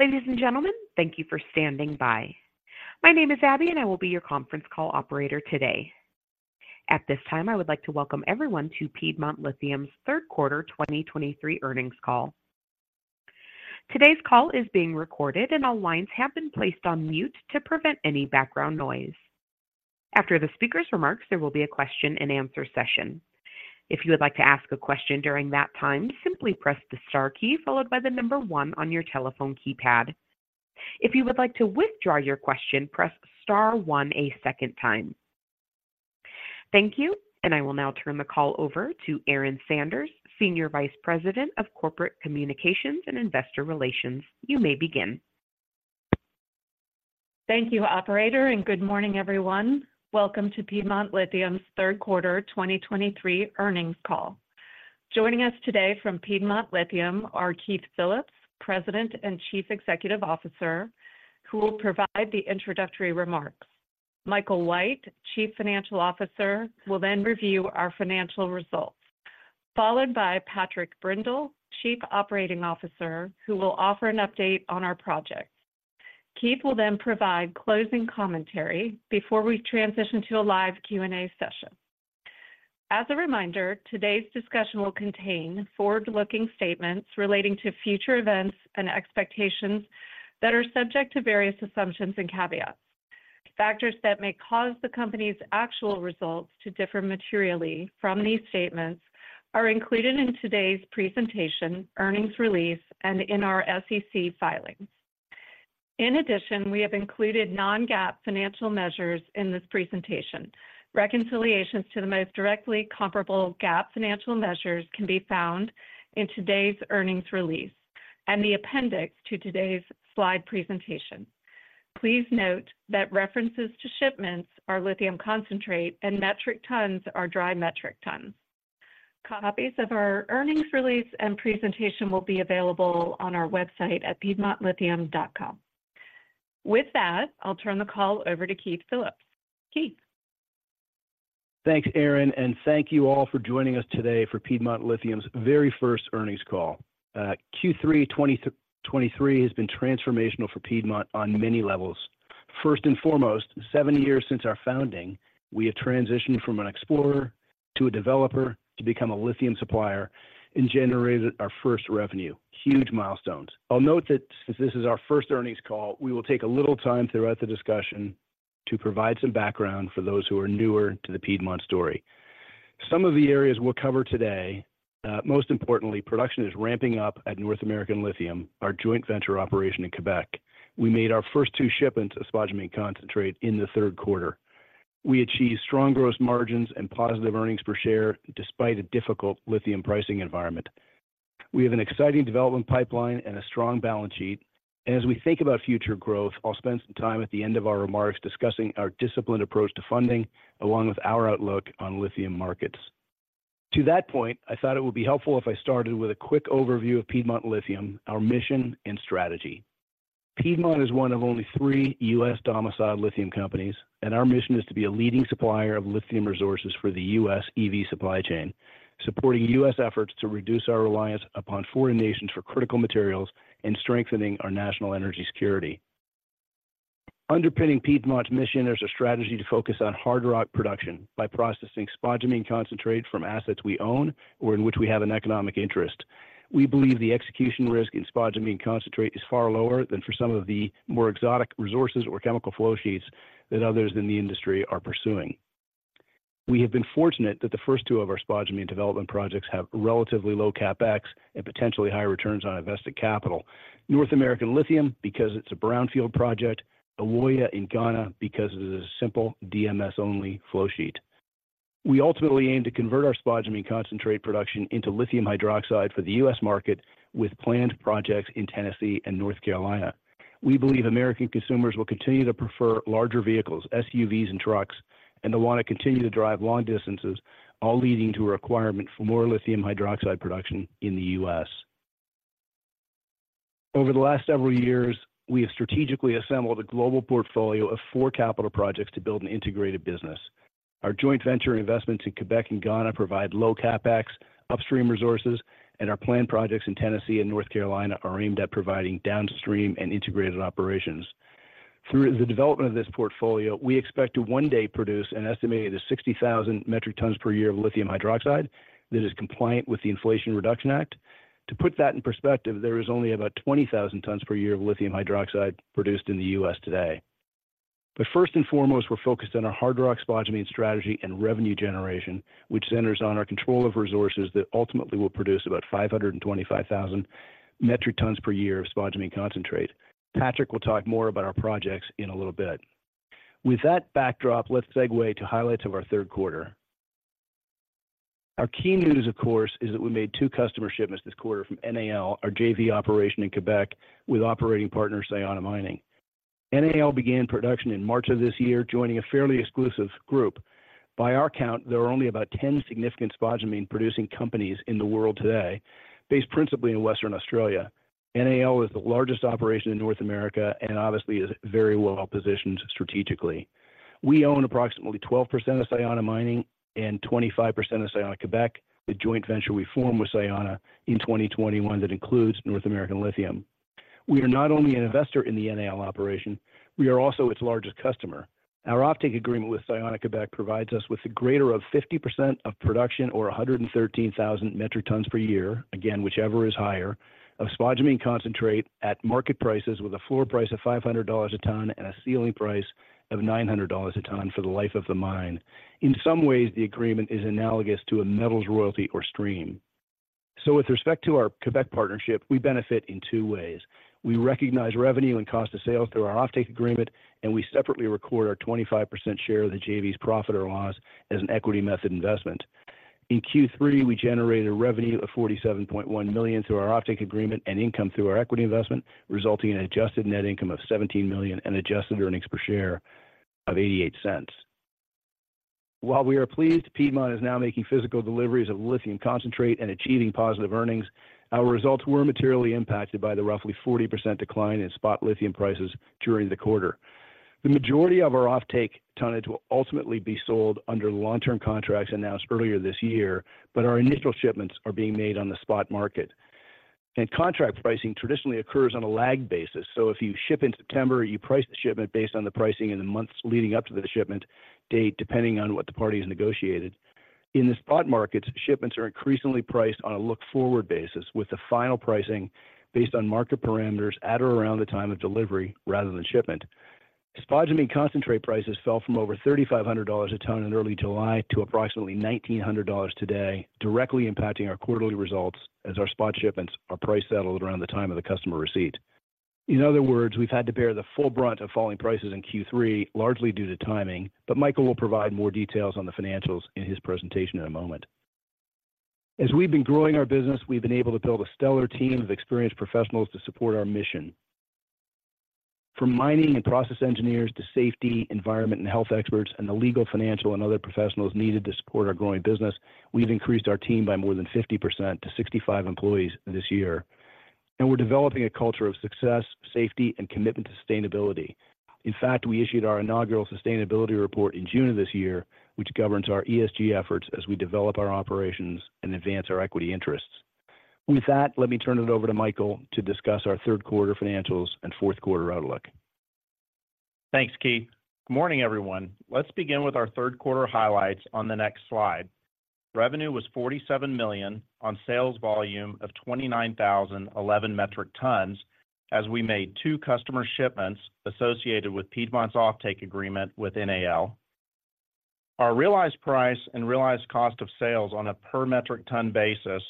Ladies and gentlemen, thank you for standing by. My name is Abby, and I will be your conference call operator today. At this time, I would like to welcome everyone to Piedmont Lithium's third quarter 2023 earnings call. Today's call is being recorded, and all lines have been placed on mute to prevent any background noise. After the speaker's remarks, there will be a question and answer session. If you would like to ask a question during that time, simply press the star key, followed by the number 1 on your telephone keypad. If you would like to withdraw your question, press star 1 a second time. Thank you, and I will now turn the call over to Erin Sanders, Senior Vice President of Corporate Communications and Investor Relations. You may begin. Thank you, operator, and good morning, everyone. Welcome to Piedmont Lithium's third quarter 2023 earnings call. Joining us today from Piedmont Lithium are Keith Phillips, President and Chief Executive Officer, who will provide the introductory remarks. Michael White, Chief Financial Officer, will then review our financial results, followed by Patrick Brindle, Chief Operating Officer, who will offer an update on our projects. Keith will then provide closing commentary before we transition to a live Q&A session. As a reminder, today's discussion will contain forward-looking statements relating to future events and expectations that are subject to various assumptions and caveats. Factors that may cause the company's actual results to differ materially from these statements are included in today's presentation, earnings release, and in our SEC filings. In addition, we have included non-GAAP financial measures in this presentation. Reconciliations to the most directly comparable GAAP financial measures can be found in today's earnings release and the appendix to today's slide presentation. Please note that references to shipments are lithium concentrate and metric tons are dry metric tons. Copies of our earnings release and presentation will be available on our website at piedmontlithium.com. With that, I'll turn the call over to Keith Phillips. Keith? Thanks, Erin, and thank you all for joining us today for Piedmont Lithium's very first earnings call. Q3 2023 has been transformational for Piedmont on many levels. First and foremost, seven years since our founding, we have transitioned from an explorer to a developer to become a lithium supplier and generated our first revenue. Huge milestones. I'll note that since this is our first earnings call, we will take a little time throughout the discussion to provide some background for those who are newer to the Piedmont story. Some of the areas we'll cover today, most importantly, production is ramping up at North American Lithium, our joint venture operation in Quebec. We made our first two shipments of spodumene concentrate in the third quarter. We achieved strong gross margins and positive earnings per share despite a difficult lithium pricing environment. We have an exciting development pipeline and a strong balance sheet, and as we think about future growth, I'll spend some time at the end of our remarks discussing our disciplined approach to funding, along with our outlook on lithium markets. To that point, I thought it would be helpful if I started with a quick overview of Piedmont Lithium, our mission, and strategy. Piedmont is one of only three U.S.-domiciled lithium companies, and our mission is to be a leading supplier of lithium resources for the U.S. EV supply chain, supporting U.S. efforts to reduce our reliance upon foreign nations for critical materials and strengthening our national energy security. Underpinning Piedmont's mission, there's a strategy to focus on hard rock production by processing spodumene concentrate from assets we own or in which we have an economic interest. We believe the execution risk in spodumene concentrate is far lower than for some of the more exotic resources or chemical flow sheets that others in the industry are pursuing. We have been fortunate that the first two of our spodumene development projects have relatively low CapEx and potentially high returns on invested capital. North American Lithium, because it's a brownfield project. Ewoyaa in Ghana because it is a simple DMS-only flow sheet. We ultimately aim to convert our spodumene concentrate production into lithium hydroxide for the U.S. market, with planned projects in Tennessee and North Carolina. We believe American consumers will continue to prefer larger vehicles, SUVs, and trucks, and they'll want to continue to drive long distances, all leading to a requirement for more lithium hydroxide production in the U.S. Over the last several years, we have strategically assembled a global portfolio of 4 capital projects to build an integrated business. Our joint venture investments in Quebec and Ghana provide low CapEx, upstream resources, and our planned projects in Tennessee and North Carolina are aimed at providing downstream and integrated operations. Through the development of this portfolio, we expect to one day produce an estimated 60,000 metric tons per year of lithium hydroxide that is compliant with the Inflation Reduction Act. To put that in perspective, there is only about 20,000 tons per year of lithium hydroxide produced in the U.S. today. But first and foremost, we're focused on our hard rock spodumene strategy and revenue generation, which centers on our control of resources that ultimately will produce about 525,000 metric tons per year of spodumene concentrate. Patrick will talk more about our projects in a little bit. With that backdrop, let's segue to highlights of our third quarter. Our key news, of course, is that we made 2 customer shipments this quarter from NAL, our JV operation in Quebec, with operating partner Sayona Mining. NAL began production in March of this year, joining a fairly exclusive group. By our count, there are only about 10 significant spodumene-producing companies in the world today, based principally in Western Australia. NAL is the largest operation in North America and obviously is very well positioned strategically. We own approximately 12% of Sayona Mining and 25% of Sayona Quebec, the joint venture we formed with Sayona in 2021 that includes North American Lithium... We are not only an investor in the NAL operation, we are also its largest customer. Our offtake agreement with Sayona Quebec provides us with a greater of 50% of production or 113,000 metric tons per year, again, whichever is higher, of spodumene concentrate at market prices with a floor price of $500 a ton and a ceiling price of $900 a ton for the life of the mine. In some ways, the agreement is analogous to a metals royalty or stream. So with respect to our Quebec partnership, we benefit in two ways: We recognize revenue and cost of sales through our offtake agreement, and we separately record our 25% share of the JV's profit or loss as an equity method investment. In Q3, we generated a revenue of $47.1 million through our offtake agreement and income through our equity investment, resulting in an adjusted net income of $17 million and adjusted earnings per share of $0.88. While we are pleased Piedmont is now making physical deliveries of lithium concentrate and achieving positive earnings, our results were materially impacted by the roughly 40% decline in spot lithium prices during the quarter. The majority of our offtake tonnage will ultimately be sold under long-term contracts announced earlier this year, but our initial shipments are being made on the spot market. Contract pricing traditionally occurs on a lag basis. If you ship in September, you price the shipment based on the pricing in the months leading up to the shipment date, depending on what the party has negotiated. In the spot markets, shipments are increasingly priced on a look-forward basis, with the final pricing based on market parameters at or around the time of delivery rather than shipment. Spodumene concentrate prices fell from over $3,500 a ton in early July to approximately $1,900 today, directly impacting our quarterly results as our spot shipments are price settled around the time of the customer receipt. In other words, we've had to bear the full brunt of falling prices in Q3, largely due to timing, but Michael will provide more details on the financials in his presentation in a moment. As we've been growing our business, we've been able to build a stellar team of experienced professionals to support our mission. From mining and process engineers to safety, environment, and health experts, and the legal, financial, and other professionals needed to support our growing business, we've increased our team by more than 50% to 65 employees this year, and we're developing a culture of success, safety, and commitment to sustainability. In fact, we issued our inaugural sustainability report in June of this year, which governs our ESG efforts as we develop our operations and advance our equity interests. With that, let me turn it over to Michael to discuss our third quarter financials and fourth quarter outlook. Thanks, Keith. Good morning, everyone. Let's begin with our third quarter highlights on the next slide. Revenue was $47 million on sales volume of 29,011 metric tons as we made 2 customer shipments associated with Piedmont's offtake agreement with NAL. Our realized price and realized cost of sales on a per metric ton basis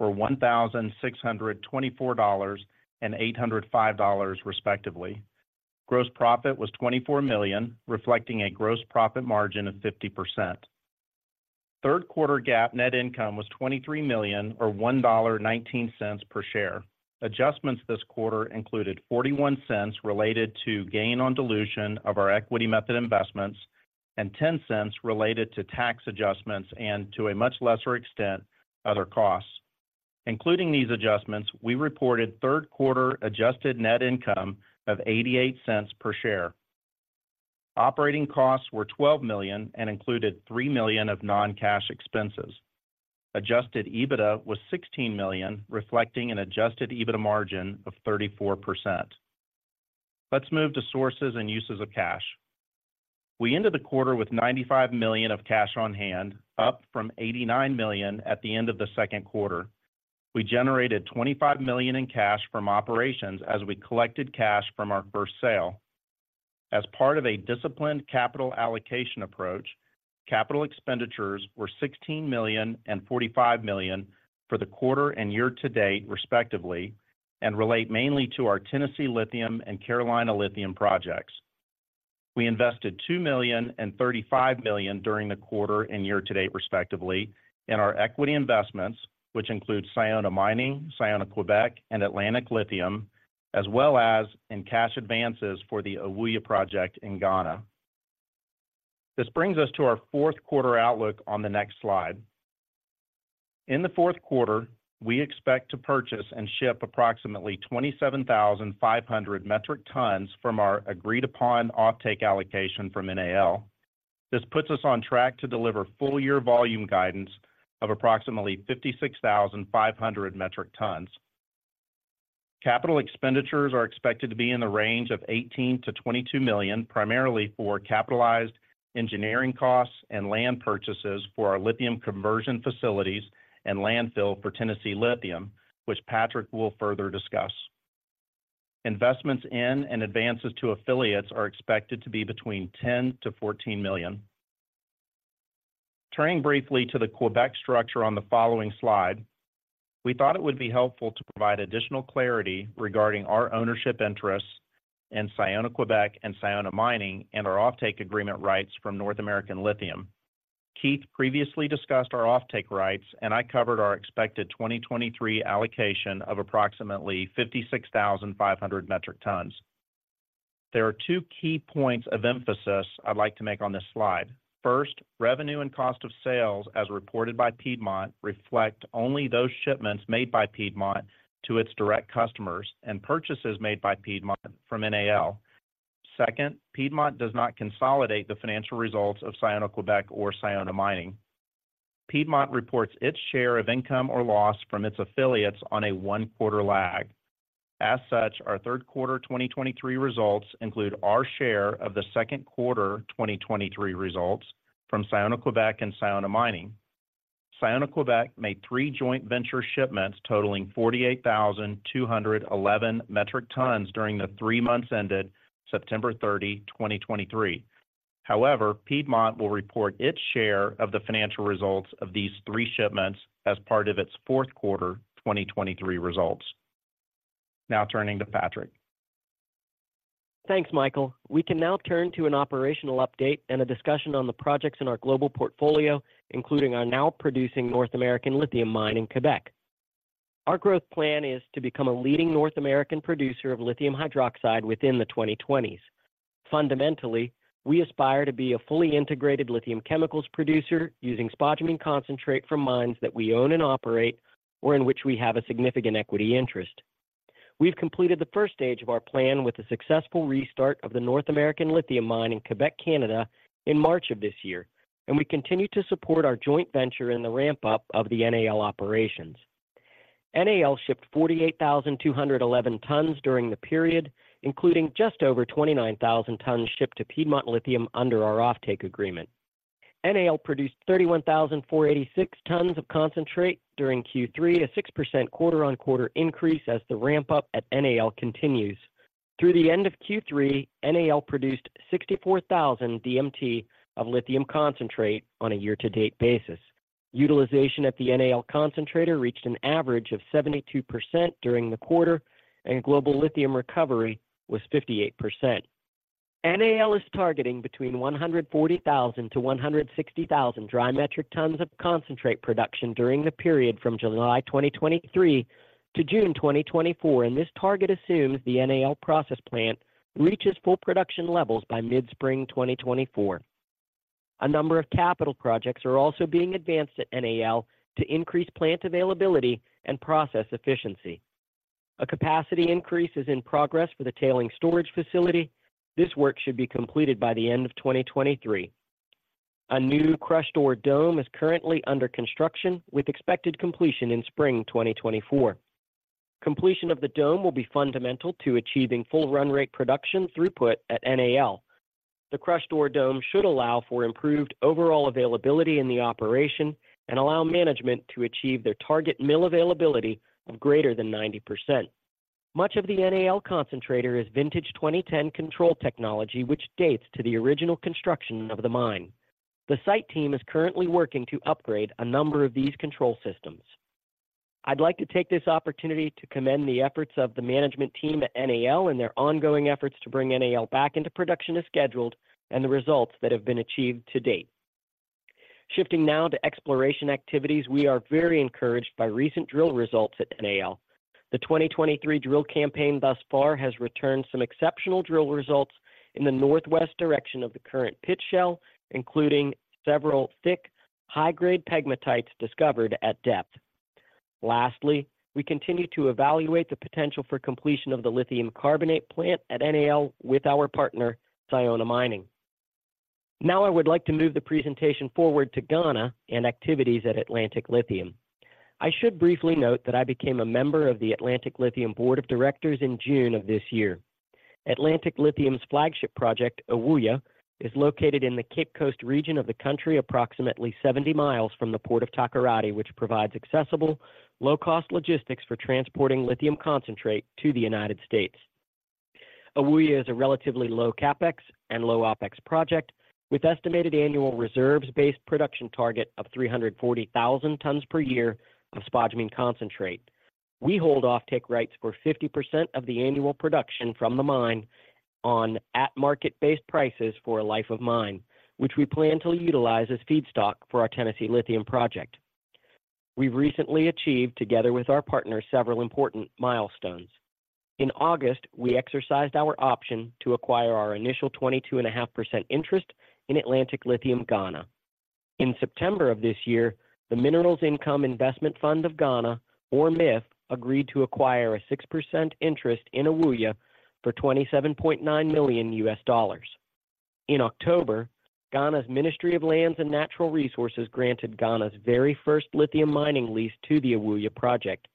were $1,624 and $805, respectively. Gross profit was $24 million, reflecting a gross profit margin of 50%. Third quarter GAAP net income was $23 million or $1.19 per share. Adjustments this quarter included $0.41 related to gain on dilution of our equity method investments and $0.10 related to tax adjustments and, to a much lesser extent, other costs. Including these adjustments, we reported third quarter adjusted net income of $0.88 per share. Operating costs were $12 million and included $3 million of non-cash expenses. Adjusted EBITDA was $16 million, reflecting an adjusted EBITDA margin of 34%. Let's move to sources and uses of cash. We ended the quarter with $95 million of cash on hand, up from $89 million at the end of the second quarter. We generated $25 million in cash from operations as we collected cash from our first sale. As part of a disciplined capital allocation approach, capital expenditures were $16 million and $45 million for the quarter and year to date, respectively, and relate mainly to our Tennessee Lithium and Carolina Lithium projects. We invested $2 million and $35 million during the quarter and year to date, respectively, in our equity investments, which include Sayona Mining, Sayona Quebec, and Atlantic Lithium, as well as in cash advances for the Ewoyaa project in Ghana. This brings us to our fourth quarter outlook on the next slide. In the fourth quarter, we expect to purchase and ship approximately 27,500 metric tons from our agreed-upon offtake allocation from NAL. This puts us on track to deliver full year volume guidance of approximately 56,500 metric tons. Capital expenditures are expected to be in the range of $18 million-$22 million, primarily for capitalized engineering costs and land purchases for our lithium conversion facilities and landfill for Tennessee Lithium, which Patrick will further discuss. Investments in and advances to affiliates are expected to be between $10 million-$14 million. Turning briefly to the Quebec structure on the following slide, we thought it would be helpful to provide additional clarity regarding our ownership interests in Sayona Quebec and Sayona Mining, and our offtake agreement rights from North American Lithium. Keith previously discussed our offtake rights, and I covered our expected 2023 allocation of approximately 56,500 metric tons. There are two key points of emphasis I'd like to make on this slide. First, revenue and cost of sales, as reported by Piedmont, reflect only those shipments made by Piedmont to its direct customers and purchases made by Piedmont from NAL. Second, Piedmont does not consolidate the financial results of Sayona Quebec or Sayona Mining. Piedmont reports its share of income or loss from its affiliates on a one quarter lag. As such, our third quarter 2023 results include our share of the second quarter 2023 results from Sayona Quebec and Sayona Mining. Sayona Quebec made three joint venture shipments totaling 48,211 metric tons during the three months ended September 30, 2023. However, Piedmont will report its share of the financial results of these three shipments as part of its fourth quarter 2023 results. Now turning to Patrick. Thanks, Michael. We can now turn to an operational update and a discussion on the projects in our global portfolio, including our now producing North American Lithium mine in Quebec. Our growth plan is to become a leading North American producer of lithium hydroxide within the 2020s. Fundamentally, we aspire to be a fully integrated lithium chemicals producer using spodumene concentrate from mines that we own and operate or in which we have a significant equity interest. We've completed the first stage of our plan with the successful restart of the North American Lithium mine in Quebec, Canada, in March of this year, and we continue to support our joint venture in the ramp-up of the NAL operations. NAL shipped 48,211 tons during the period, including just over 29,000 tons shipped to Piedmont Lithium under our offtake agreement. NAL produced 31,486 tons of concentrate during Q3, a 6% quarter-on-quarter increase as the ramp-up at NAL continues. Through the end of Q3, NAL produced 64,000 DMT of lithium concentrate on a year-to-date basis. Utilization at the NAL concentrator reached an average of 72% during the quarter, and global lithium recovery was 58%. NAL is targeting between 140,000-160,000 dry metric tons of concentrate production during the period from July 2023 to June 2024, and this target assumes the NAL process plant reaches full production levels by mid-spring 2024. A number of capital projects are also being advanced at NAL to increase plant availability and process efficiency. A capacity increase is in progress for the tailing storage facility. This work should be completed by the end of 2023. A new crushed ore dome is currently under construction, with expected completion in spring 2024. Completion of the dome will be fundamental to achieving full run rate production throughput at NAL. The crushed ore dome should allow for improved overall availability in the operation and allow management to achieve their target mill availability of greater than 90%. Much of the NAL concentrator is vintage 2010 control technology, which dates to the original construction of the mine. The site team is currently working to upgrade a number of these control systems. I'd like to take this opportunity to commend the efforts of the management team at NAL in their ongoing efforts to bring NAL back into production as scheduled and the results that have been achieved to date. Shifting now to exploration activities, we are very encouraged by recent drill results at NAL. The 2023 drill campaign thus far has returned some exceptional drill results in the northwest direction of the current pit shell, including several thick, high-grade pegmatites discovered at depth. Lastly, we continue to evaluate the potential for completion of the lithium carbonate plant at NAL with our partner, Sayona Mining. Now, I would like to move the presentation forward to Ghana and activities at Atlantic Lithium. I should briefly note that I became a member of the Atlantic Lithium Board of Directors in June of this year. Atlantic Lithium's flagship project, Ewoyaa, is located in the Cape Coast region of the country, approximately 70 miles from the Port of Takoradi, which provides accessible, low-cost logistics for transporting lithium concentrate to the United States. Ewoyaa is a relatively low CapEx and low OpEx project with estimated annual reserves-based production target of 340,000 tons per year of spodumene concentrate. We hold offtake rights for 50% of the annual production from the mine on at-market-based prices for a life of mine, which we plan to utilize as feedstock for our Tennessee Lithium project. We've recently achieved, together with our partners, several important milestones. In August, we exercised our option to acquire our initial 22.5% interest in Atlantic Lithium, Ghana. In September of this year, the Minerals Income Investment Fund of Ghana, or MIIF, agreed to acquire a 6% interest in Ewoyaa for $27.9 million. In October, Ghana's Ministry of Lands and Natural Resources granted Ghana's very first lithium mining lease to the Ewoyaa project.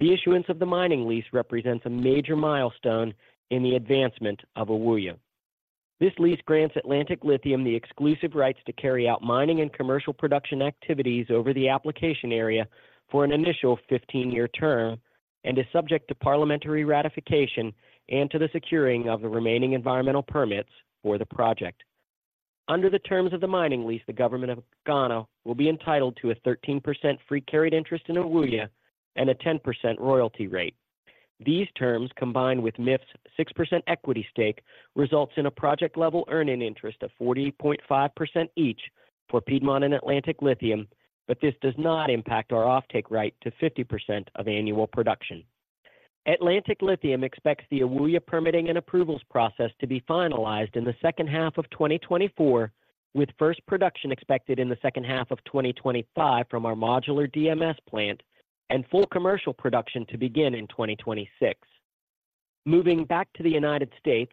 The issuance of the mining lease represents a major milestone in the advancement of Ewoyaa. This lease grants Atlantic Lithium the exclusive rights to carry out mining and commercial production activities over the application area for an initial 15-year term and is subject to parliamentary ratification and to the securing of the remaining environmental permits for the project. Under the terms of the mining lease, the government of Ghana will be entitled to a 13% free carried interest in Ewoyaa and a 10% royalty rate. These terms, combined with MIIF's 6% equity stake, results in a project-level earning interest of 40.5% each for Piedmont and Atlantic Lithium, but this does not impact our offtake right to 50% of annual production. Atlantic Lithium expects the Ewoyaa permitting and approvals process to be finalized in the second half of 2024, with first production expected in the second half of 2025 from our modular DMS plant and full commercial production to begin in 2026. Moving back to the United States,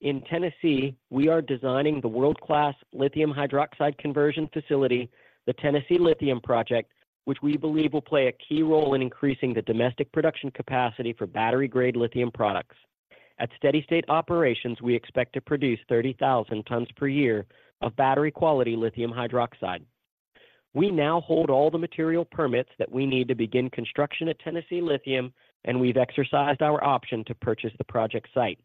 in Tennessee, we are designing the world-class lithium hydroxide conversion facility, the Tennessee Lithium Project, which we believe will play a key role in increasing the domestic production capacity for battery-grade lithium products. At steady-state operations, we expect to produce 30,000 tons per year of battery quality lithium hydroxide. We now hold all the material permits that we need to begin construction at Tennessee Lithium, and we've exercised our option to purchase the project site.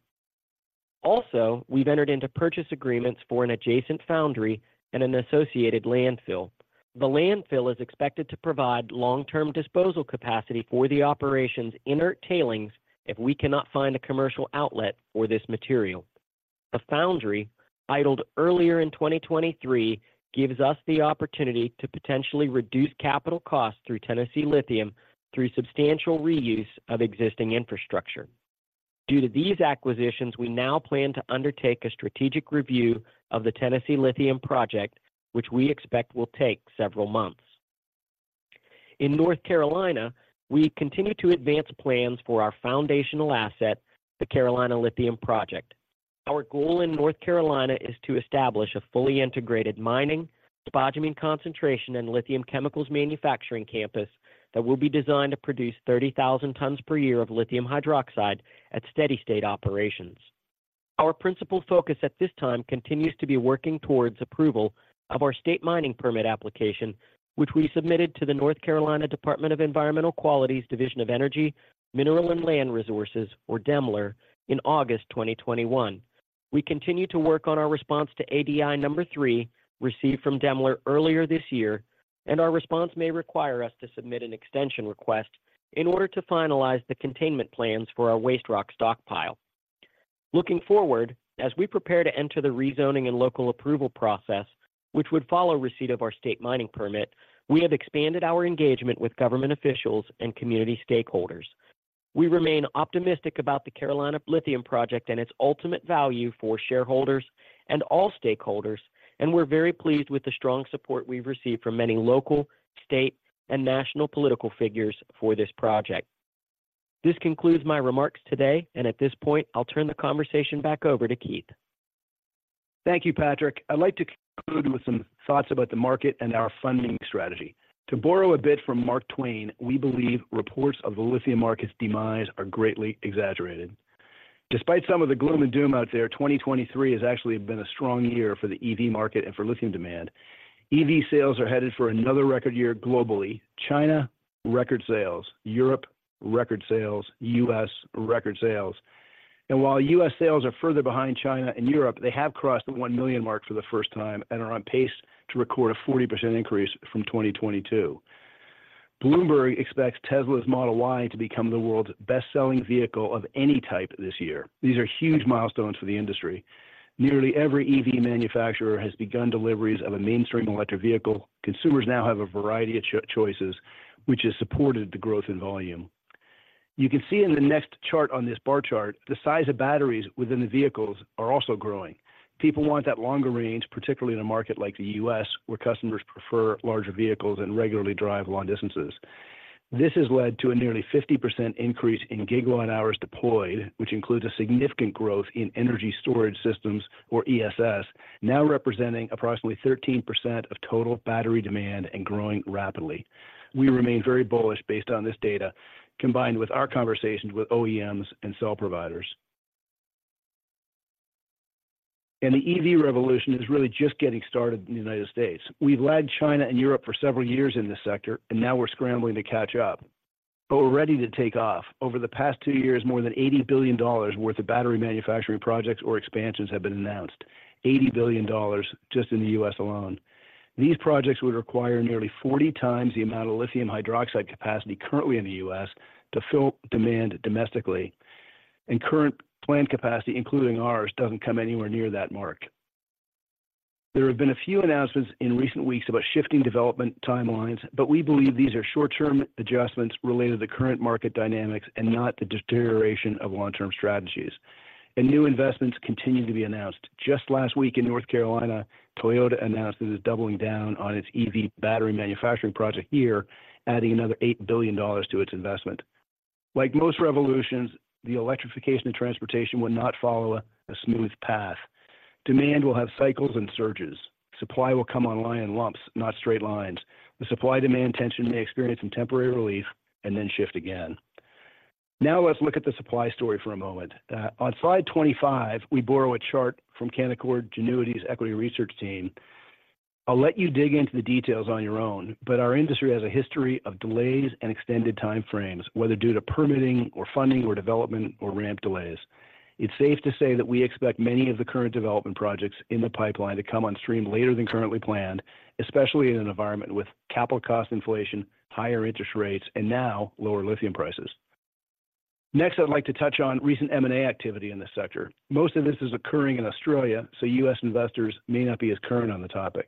Also, we've entered into purchase agreements for an adjacent foundry and an associated landfill. The landfill is expected to provide long-term disposal capacity for the operation's inert tailings if we cannot find a commercial outlet for this material. A foundry, idled earlier in 2023, gives us the opportunity to potentially reduce capital costs through Tennessee Lithium through substantial reuse of existing infrastructure. Due to these acquisitions, we now plan to undertake a strategic review of the Tennessee Lithium Project, which we expect will take several months. In North Carolina, we continue to advance plans for our foundational asset, the Carolina Lithium Project. Our goal in North Carolina is to establish a fully integrated mining, spodumene concentration, and lithium chemicals manufacturing campus that will be designed to produce 30,000 tons per year of lithium hydroxide at steady state operations. Our principal focus at this time continues to be working towards approval of our state mining permit application, which we submitted to the North Carolina Department of Environmental Quality's Division of Energy, Mineral, and Land Resources, or DEMLR, in August 2021. We continue to work on our response to ADI number 3, received from DEMLR earlier this year, and our response may require us to submit an extension request in order to finalize the containment plans for our waste rock stockpile. Looking forward, as we prepare to enter the rezoning and local approval process, which would follow receipt of our state mining permit, we have expanded our engagement with government officials and community stakeholders. We remain optimistic about the Carolina Lithium Project and its ultimate value for shareholders and all stakeholders, and we're very pleased with the strong support we've received from many local, state, and national political figures for this project. This concludes my remarks today, and at this point, I'll turn the conversation back over to Keith. Thank you, Patrick. I'd like to conclude with some thoughts about the market and our funding strategy. To borrow a bit from Mark Twain, we believe reports of the lithium market's demise are greatly exaggerated. Despite some of the gloom and doom out there, 2023 has actually been a strong year for the EV market and for lithium demand. EV sales are headed for another record year globally. China, record sales. Europe, record sales. U.S., record sales. And while U.S. sales are further behind China and Europe, they have crossed the 1 million mark for the first time and are on pace to record a 40% increase from 2022. Bloomberg expects Tesla's Model Y to become the world's best-selling vehicle of any type this year. These are huge milestones for the industry. Nearly every EV manufacturer has begun deliveries of a mainstream electric vehicle. Consumers now have a variety of choices, which has supported the growth in volume. You can see in the next chart on this bar chart, the size of batteries within the vehicles are also growing. People want that longer range, particularly in a market like the U.S., where customers prefer larger vehicles and regularly drive long distances. This has led to a nearly 50% increase in GWh deployed, which includes a significant growth in energy storage systems, or ESS, now representing approximately 13% of total battery demand and growing rapidly. We remain very bullish based on this data, combined with our conversations with OEMs and cell providers. The EV revolution is really just getting started in the United States. We've led China and Europe for several years in this sector, and now we're scrambling to catch up, but we're ready to take off. Over the past two years, more than $80 billion worth of battery manufacturing projects or expansions have been announced. $80 billion just in the U.S. alone. These projects would require nearly 40 times the amount of lithium hydroxide capacity currently in the U.S. to fill demand domestically. Current planned capacity, including ours, doesn't come anywhere near that mark. There have been a few announcements in recent weeks about shifting development timelines, but we believe these are short-term adjustments related to current market dynamics and not the deterioration of long-term strategies. New investments continue to be announced. Just last week in North Carolina, Toyota announced that it's doubling down on its EV battery manufacturing project here, adding another $8 billion to its investment. Like most revolutions, the electrification of transportation will not follow a smooth path. Demand will have cycles and surges. Supply will come online in lumps, not straight lines. The supply-demand tension may experience some temporary relief and then shift again. Now, let's look at the supply story for a moment. On slide 25, we borrow a chart from Canaccord Genuity's equity research team. I'll let you dig into the details on your own, but our industry has a history of delays and extended time frames, whether due to permitting or funding or development or ramp delays. It's safe to say that we expect many of the current development projects in the pipeline to come on stream later than currently planned, especially in an environment with capital cost inflation, higher interest rates, and now lower lithium prices. Next, I'd like to touch on recent M&A activity in this sector. Most of this is occurring in Australia, so U.S. investors may not be as current on the topic.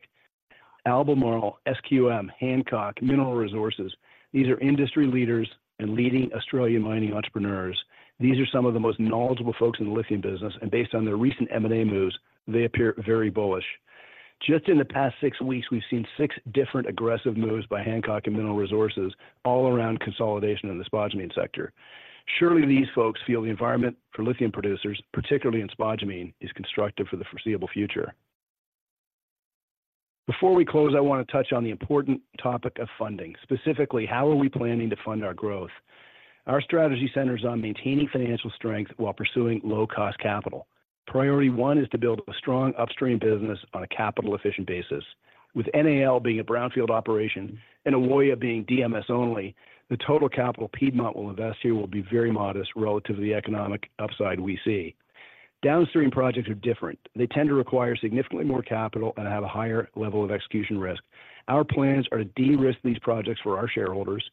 Albemarle, SQM, Hancock, Mineral Resources, these are industry leaders and leading Australian mining entrepreneurs. These are some of the most knowledgeable folks in the lithium business, and based on their recent M&A moves, they appear very bullish... Just in the past six weeks, we've seen six different aggressive moves by Hancock and Mineral Resources all around consolidation in the spodumene sector. Surely, these folks feel the environment for lithium producers, particularly in spodumene, is constructive for the foreseeable future. Before we close, I want to touch on the important topic of funding. Specifically, how are we planning to fund our growth? Our strategy centers on maintaining financial strength while pursuing low-cost capital. Priority one is to build a strong upstream business on a capital-efficient basis. With NAL being a brownfield operation and Ewoyaa being DMS only, the total capital Piedmont will invest here will be very modest relative to the economic upside we see. Downstream projects are different. They tend to require significantly more capital and have a higher level of execution risk. Our plans are to de-risk these projects for our shareholders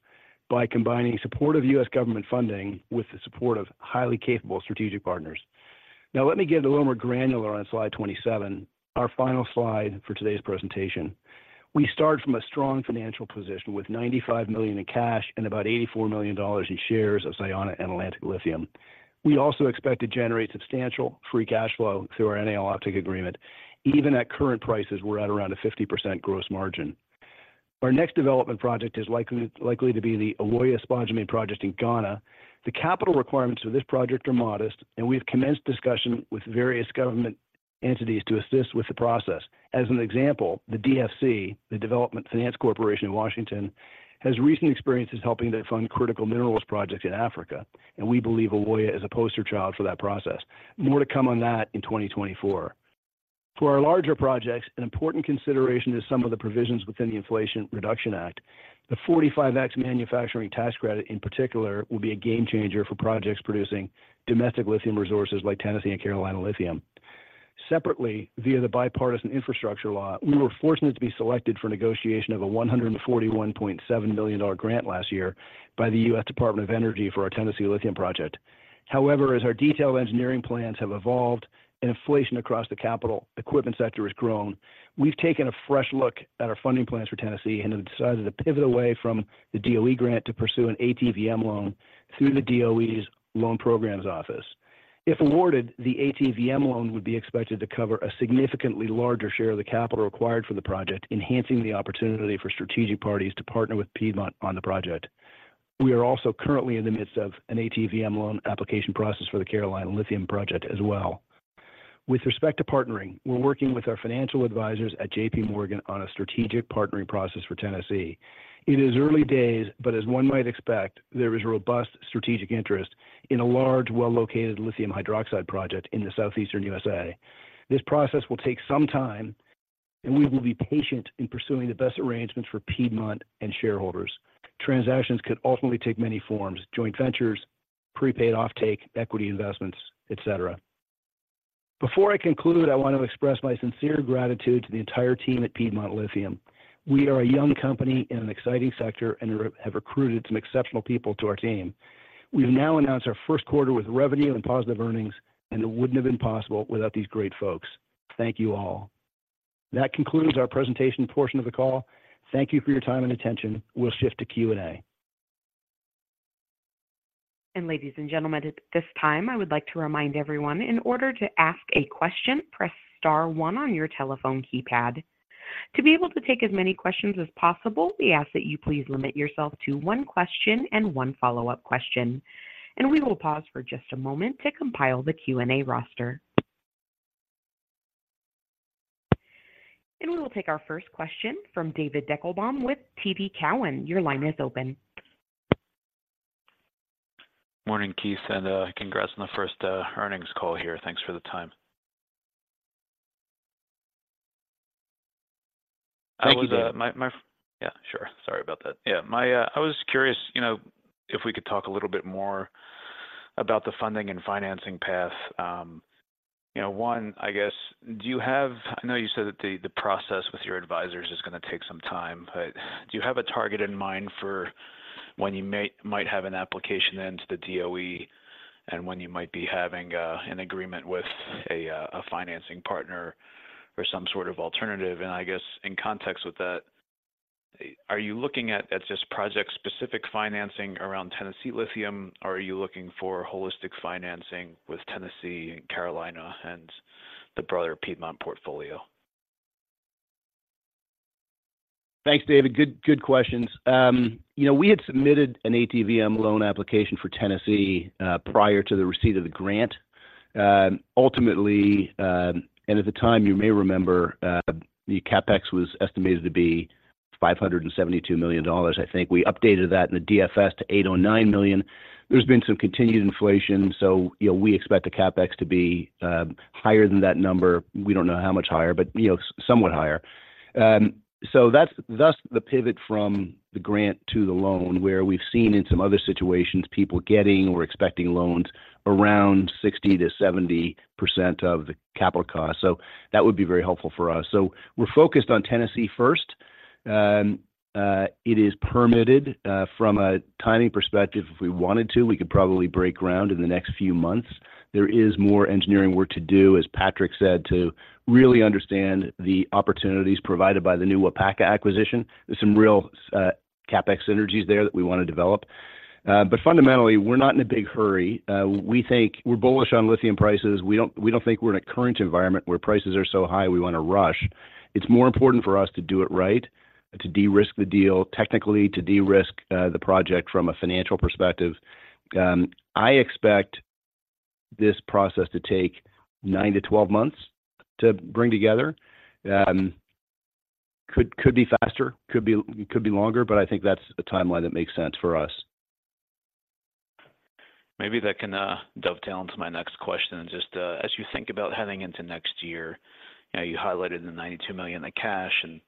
by combining supportive U.S. government funding with the support of highly capable strategic partners. Now, let me get a little more granular on slide 27, our final slide for today's presentation. We start from a strong financial position with $95 million in cash and about $84 million in shares of Sayona and Atlantic Lithium. We also expect to generate substantial free cash flow through our NAL offtake agreement. Even at current prices, we're at around a 50% gross margin. Our next development project is likely to be the Ewoyaa Spodumene project in Ghana. The capital requirements for this project are modest, and we've commenced discussion with various government entities to assist with the process. As an example, the DFC, the Development Finance Corporation in Washington, has recent experiences helping to fund critical minerals projects in Africa, and we believe Ewoyaa is a poster child for that process. More to come on that in 2024. For our larger projects, an important consideration is some of the provisions within the Inflation Reduction Act. The 45X manufacturing tax credit, in particular, will be a game changer for projects producing domestic lithium resources like Tennessee and Carolina Lithium. Separately, via the Bipartisan Infrastructure Law, we were fortunate to be selected for negotiation of a $141.7 million grant last year by the U.S. Department of Energy for our Tennessee Lithium project. However, as our detailed engineering plans have evolved and inflation across the capital equipment sector has grown, we've taken a fresh look at our funding plans for Tennessee and have decided to pivot away from the DOE grant to pursue an ATVM loan through the DOE's Loan Programs Office. If awarded, the ATVM loan would be expected to cover a significantly larger share of the capital required for the project, enhancing the opportunity for strategic parties to partner with Piedmont on the project. We are also currently in the midst of an ATVM loan application process for the Carolina Lithium project as well. With respect to partnering, we're working with our financial advisors at JP Morgan on a strategic partnering process for Tennessee. It is early days, but as one might expect, there is robust strategic interest in a large, well-located lithium hydroxide project in the southeastern USA. This process will take some time, and we will be patient in pursuing the best arrangements for Piedmont and shareholders. Transactions could ultimately take many forms: joint ventures, prepaid offtake, equity investments, et cetera. Before I conclude, I want to express my sincere gratitude to the entire team at Piedmont Lithium. We are a young company in an exciting sector and have recruited some exceptional people to our team. We've now announced our first quarter with revenue and positive earnings, and it wouldn't have been possible without these great folks. Thank you all. That concludes our presentation portion of the call. Thank you for your time and attention. We'll shift to Q&A. Ladies and gentlemen, at this time, I would like to remind everyone, in order to ask a question, press star one on your telephone keypad. To be able to take as many questions as possible, we ask that you please limit yourself to one question and one follow-up question, and we will pause for just a moment to compile the Q&A roster. We will take our first question from David Deckelbaum with TD Cowen. Your line is open. Morning, Keith, and, congrats on the first earnings call here. Thanks for the time. Thank you, David. I was curious, you know, if we could talk a little bit more about the funding and financing path. I know you said that the process with your advisors is gonna take some time, but do you have a target in mind for when you might have an application in to the DOE and when you might be having an agreement with a financing partner or some sort of alternative? And I guess in context with that, are you looking at just project-specific financing around Tennessee Lithium, or are you looking for holistic financing with Tennessee and Carolina and the broader Piedmont portfolio? Thanks, David. Good, good questions. You know, we had submitted an ATVM loan application for Tennessee, prior to the receipt of the grant. Ultimately, and at the time, you may remember, the CapEx was estimated to be $572 million, I think. We updated that in the DFS to $809 million. There's been some continued inflation, so, you know, we expect the CapEx to be, higher than that number. We don't know how much higher, but, you know, somewhat higher. So that's, thus the pivot from the grant to the loan, where we've seen in some other situations, people getting or expecting loans around 60%-70% of the capital cost. So that would be very helpful for us. So we're focused on Tennessee first. It is permitted from a timing perspective, if we wanted to, we could probably break ground in the next few months. There is more engineering work to do, as Patrick said, to really understand the opportunities provided by the new Waupaca acquisition. There's some real CapEx synergies there that we want to develop. But fundamentally, we're not in a big hurry. We think we're bullish on lithium prices. We don't, we don't think we're in a current environment where prices are so high, we want to rush. It's more important for us to do it right, to de-risk the deal, technically to de-risk the project from a financial perspective. I expect this process to take 9-12 months to bring together. Could be faster, could be longer, but I think that's a timeline that makes sense for us. Maybe that can dovetail into my next question. Just as you think about heading into next year, you know, you highlighted the $92 million in cash, and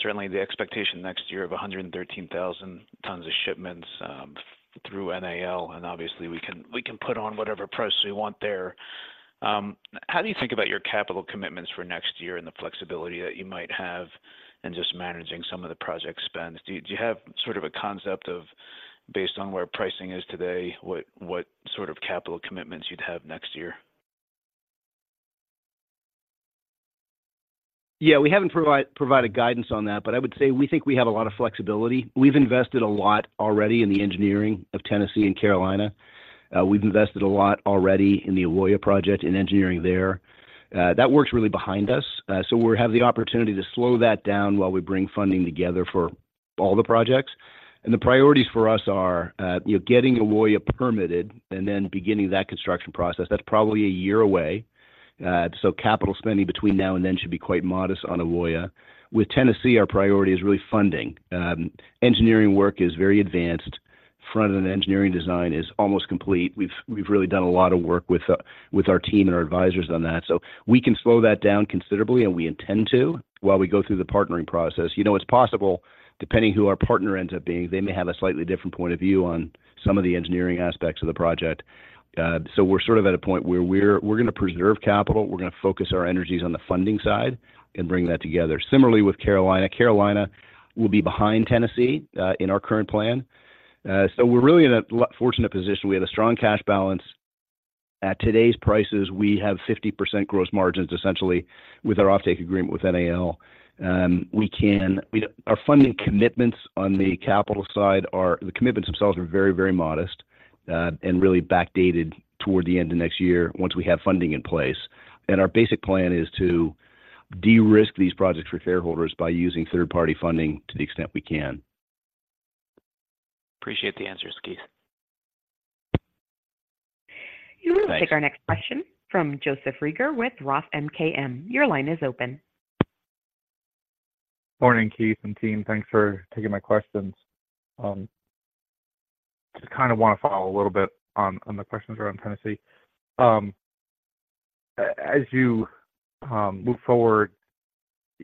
certainly the expectation next year of 113,000 tons of shipments through NAL, and obviously we can, we can put on whatever price we want there. How do you think about your capital commitments for next year and the flexibility that you might have in just managing some of the project spend? Do you, do you have sort of a concept of, based on where pricing is today, what, what sort of capital commitments you'd have next year? Yeah, we haven't provided guidance on that, but I would say we think we have a lot of flexibility. We've invested a lot already in the engineering of Tennessee and Carolina. We've invested a lot already in the Ewoyaa project, in engineering there. That work's really behind us, so we have the opportunity to slow that down while we bring funding together for all the projects. And the priorities for us are, you know, getting Ewoyaa permitted and then beginning that construction process. That's probably a year away. So capital spending between now and then should be quite modest on Ewoyaa. With Tennessee, our priority is really funding. Engineering work is very advanced. Front-end engineering design is almost complete. We've really done a lot of work with our team and our advisors on that. So we can slow that down considerably, and we intend to, while we go through the partnering process. You know, it's possible, depending who our partner ends up being, they may have a slightly different point of view on some of the engineering aspects of the project. So we're sort of at a point where we're going to preserve capital, we're going to focus our energies on the funding side and bring that together. Similarly with Carolina, Carolina will be behind Tennessee in our current plan. So we're really in a fortunate position. We have a strong cash balance. At today's prices, we have 50% gross margins, essentially, with our offtake agreement with NAL. Our funding commitments on the capital side are... The commitments themselves are very, very modest, and really backdated toward the end of next year once we have funding in place. Our basic plan is to de-risk these projects for shareholders by using third-party funding to the extent we can. Appreciate the answers, Keith. You will- Thanks. Take our next question from Joseph Reagor with Roth MKM. Your line is open. Morning, Keith and team. Thanks for taking my questions. Just kind of want to follow a little bit on the questions around Tennessee. As you move forward,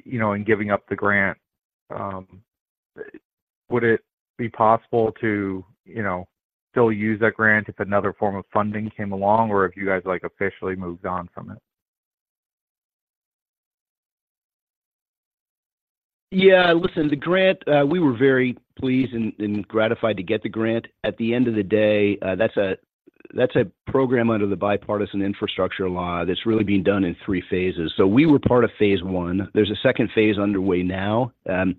you know, in giving up the grant, would it be possible to, you know, still use that grant if another form of funding came along, or have you guys, like, officially moved on from it? Yeah, listen, the grant, we were very pleased and gratified to get the grant. At the end of the day, that's a program under the Bipartisan Infrastructure Law that's really being done in three phases. So we were part of phase one. There's a second phase underway now, and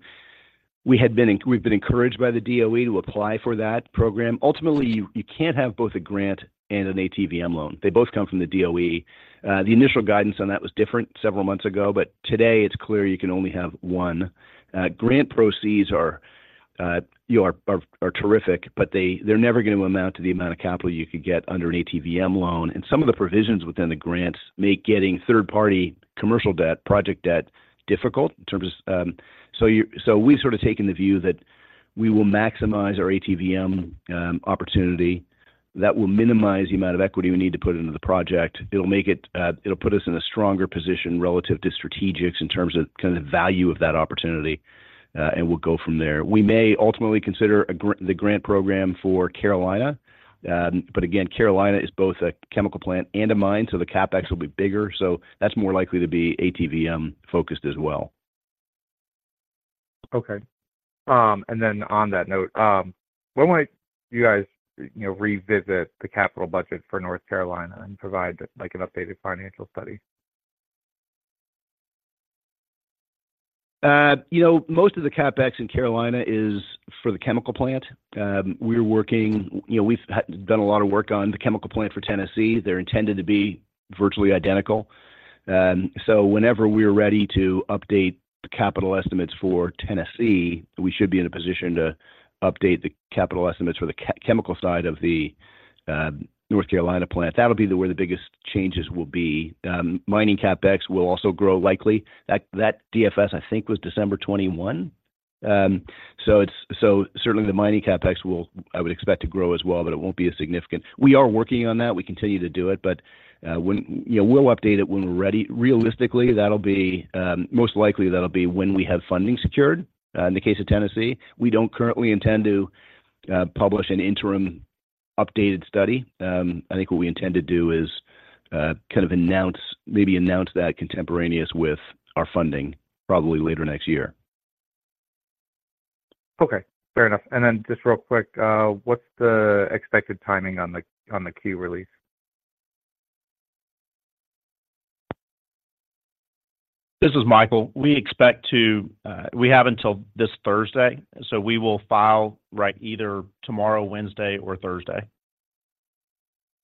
we've been encouraged by the DOE to apply for that program. Ultimately, you can't have both a grant and an ATVM loan. They both come from the DOE. The initial guidance on that was different several months ago, but today it's clear you can only have one. Grant proceeds are, you know, terrific, but they're never going to amount to the amount of capital you could get under an ATVM loan. Some of the provisions within the grants make getting third-party commercial debt, project debt, difficult in terms of. So we've sort of taken the view that we will maximize our ATVM opportunity. That will minimize the amount of equity we need to put into the project. It'll make it, it'll put us in a stronger position relative to strategics in terms of kind of the value of that opportunity, and we'll go from there. We may ultimately consider the grant program for Carolina, but again, Carolina is both a chemical plant and a mine, so the CapEx will be bigger, so that's more likely to be ATVM-focused as well. Okay. And then on that note, when might you guys, you know, revisit the capital budget for North Carolina and provide, like, an updated financial study? You know, most of the CapEx in Carolina is for the chemical plant. We're working. You know, we've done a lot of work on the chemical plant for Tennessee. They're intended to be virtually identical. So whenever we're ready to update the capital estimates for Tennessee, we should be in a position to update the capital estimates for the chemical side of the North Carolina plant. That'll be the where the biggest changes will be. Mining CapEx will also grow likely. That DFS, I think, was December 2021. So certainly the mining CapEx will, I would expect, to grow as well, but it won't be as significant. We are working on that. We continue to do it, but when. You know, we'll update it when we're ready. Realistically, that'll be most likely, that'll be when we have funding secured. In the case of Tennessee, we don't currently intend to publish an interim updated study. I think what we intend to do is kind of announce, maybe announce that contemporaneous with our funding, probably later next year. Okay, fair enough. And then just real quick, what's the expected timing on the key release? ... This is Michael. We expect to, we have until this Thursday, so we will file, right, either tomorrow, Wednesday, or Thursday.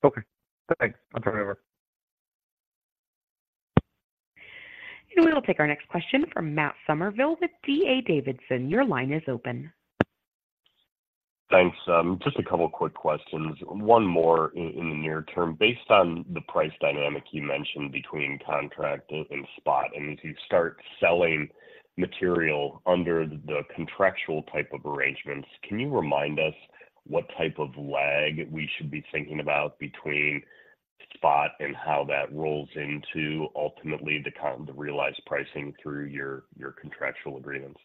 Okay. Thanks. I'll turn it over. We'll take our next question from Matt Summerville with D.A. Davidson. Your line is open. Thanks. Just a couple quick questions. One more in the near term. Based on the price dynamic you mentioned between contract and spot, and as you start selling material under the contractual type of arrangements, can you remind us what type of lag we should be thinking about between spot and how that rolls into ultimately the realized pricing through your contractual agreements?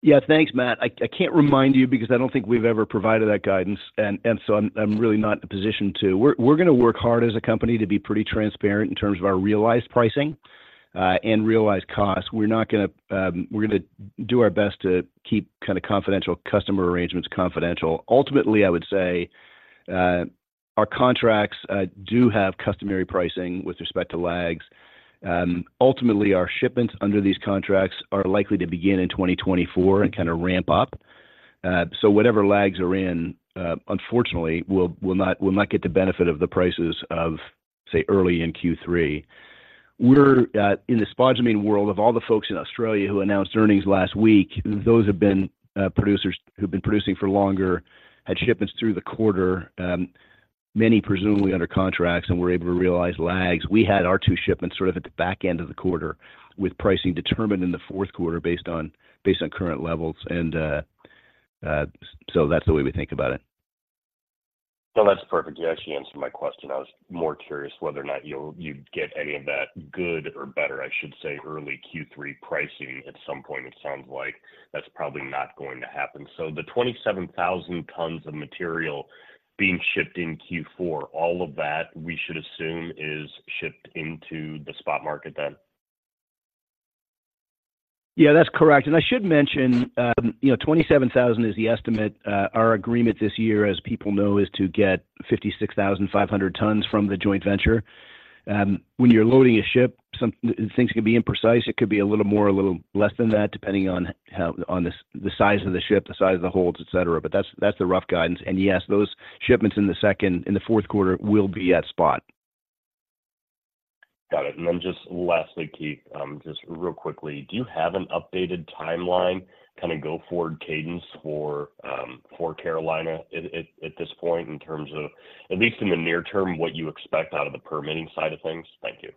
Yeah, thanks, Matt. I can't remind you because I don't think we've ever provided that guidance, and so I'm really not in a position to. We're gonna work hard as a company to be pretty transparent in terms of our realized pricing and realized costs. We're not gonna... We're gonna do our best to keep kind of confidential customer arrangements confidential. Ultimately, I would say our contracts do have customary pricing with respect to lags. Ultimately, our shipments under these contracts are likely to begin in 2024 and kind of ramp up. So whatever lags are in, unfortunately, will not get the benefit of the prices of, say, early in Q3. We're in the spodumene world, of all the folks in Australia who announced earnings last week, those have been producers who've been producing for longer, had shipments through the quarter, many presumably under contracts and were able to realize lags. We had our two shipments sort of at the back end of the quarter, with pricing determined in the fourth quarter based on current levels. And so that's the way we think about it. No, that's perfect. You actually answered my question. I was more curious whether or not you'd get any of that good or better, I should say, early Q3 pricing at some point. It sounds like that's probably not going to happen. So the 27,000 tons of material being shipped in Q4, all of that, we should assume, is shipped into the spot market then? Yeah, that's correct. I should mention, you know, 27,000 is the estimate. Our agreement this year, as people know, is to get 56,500 tons from the joint venture. When you're loading a ship, some things can be imprecise. It could be a little more or a little less than that, depending on the size of the ship, the size of the holds, et cetera. But that's the rough guidance. And yes, those shipments in the fourth quarter will be at spot. Got it. And then just lastly, Keith, just real quickly: Do you have an updated timeline, kind of go-forward cadence for Carolina at this point, in terms of, at least in the near term, what you expect out of the permitting side of things? Thank you.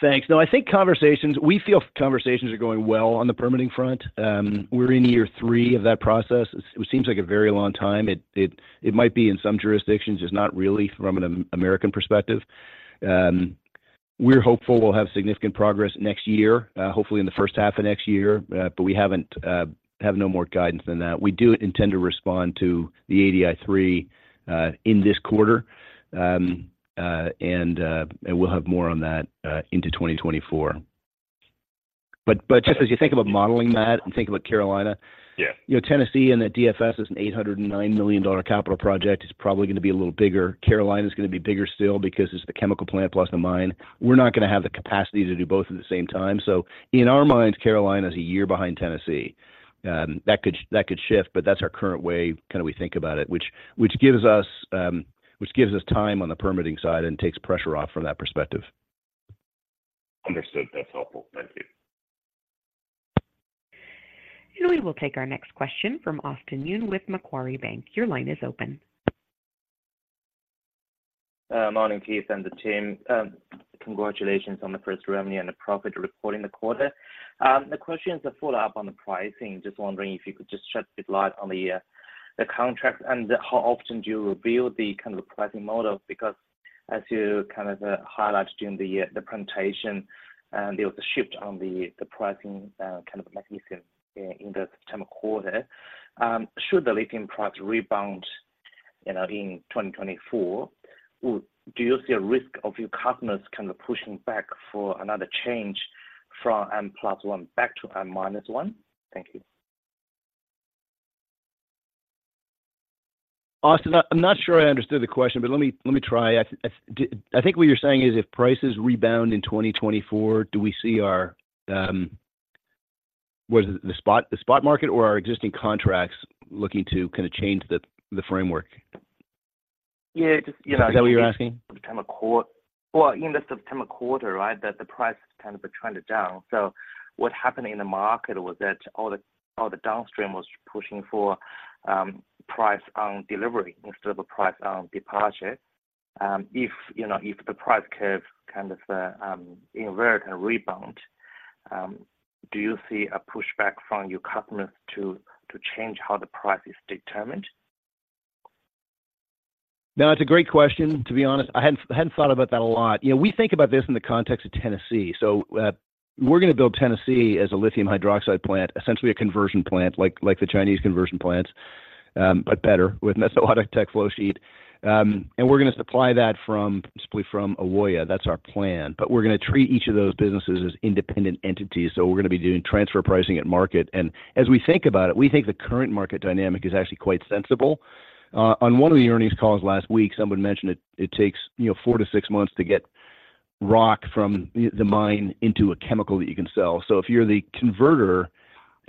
Thanks. No, I think conversations. We feel conversations are going well on the permitting front. We're in year three of that process. It seems like a very long time. It might be in some jurisdictions, just not really from an American perspective. We're hopeful we'll have significant progress next year, hopefully in the first half of next year. But we have no more guidance than that. We do intend to respond to the ADI 3 in this quarter. And we'll have more on that into 2024. But just as you think about modeling that and think about Carolina- Yeah. You know, Tennessee and the DFS is an $809 million capital project. It's probably gonna be a little bigger. Carolina is gonna be bigger still because it's a chemical plant plus a mine. We're not gonna have the capacity to do both at the same time. So in our minds, Carolina is a year behind Tennessee. That could shift, but that's our current way, kind of we think about it, which gives us time on the permitting side and takes pressure off from that perspective. Understood. That's helpful. Thank you. We will take our next question from Austin Yun with Macquarie Bank. Your line is open. Morning, Keith and the team. Congratulations on the first revenue and the profit report in the quarter. The question is a follow-up on the pricing. Just wondering if you could just shed a bit light on the, the contract and how often do you reveal the kind of pricing model? Because as you kind of, highlighted during the, the presentation, there was a shift on the, the pricing, kind of mechanism in, in the September quarter. Should the lithium price rebound, you know, in 2024, do you see a risk of your customers kind of pushing back for another change from M+1 back to M-1? Thank you. Austin, I'm not sure I understood the question, but let me try. I think what you're saying is, if prices rebound in 2024, do we see our... Was it the spot, the spot market or our existing contracts looking to kind of change the framework? Yeah, just, you know- Is that what you're asking? Well, in the September quarter, right, that the price kind of trended down. So what happened in the market was that all the, all the downstream was pushing for, price on delivery instead of a price on departure. If, you know, if the price curve kind of, invert and rebound, do you see a pushback from your customers to, to change how the price is determined? No, it's a great question. To be honest, I hadn't thought about that a lot. You know, we think about this in the context of Tennessee. So, we're gonna build Tennessee as a lithium hydroxide plant, essentially a conversion plant, like the Chinese conversion plants, but better, with an exotic tech flow sheet. And we're gonna supply that from, simply from Ewoyaa. That's our plan. But we're gonna treat each of those businesses as independent entities, so we're gonna be doing transfer pricing at market. And as we think about it, we think the current market dynamic is actually quite sensible. On one of the earnings calls last week, someone mentioned it. It takes, you know, 4-6 months to get rock from the mine into a chemical that you can sell. So if you're the converter,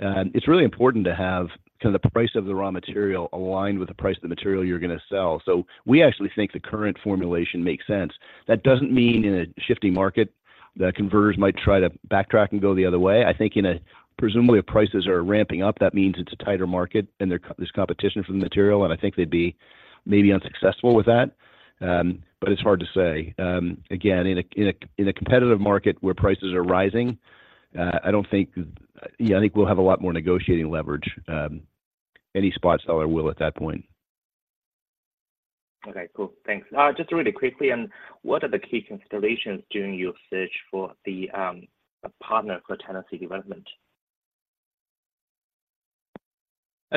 it's really important to have the price of the raw material aligned with the price of the material you're going to sell. So we actually think the current formulation makes sense. That doesn't mean in a shifting market, that converters might try to backtrack and go the other way. I think in a, presumably, if prices are ramping up, that means it's a tighter market and there's competition for the material, and I think they'd be maybe unsuccessful with that, but it's hard to say. Again, in a competitive market where prices are rising, I don't think. Yeah, I think we'll have a lot more negotiating leverage, any spot seller will at that point. Okay, cool. Thanks. Just really quickly, what are the key considerations during your search for a partner for Tennessee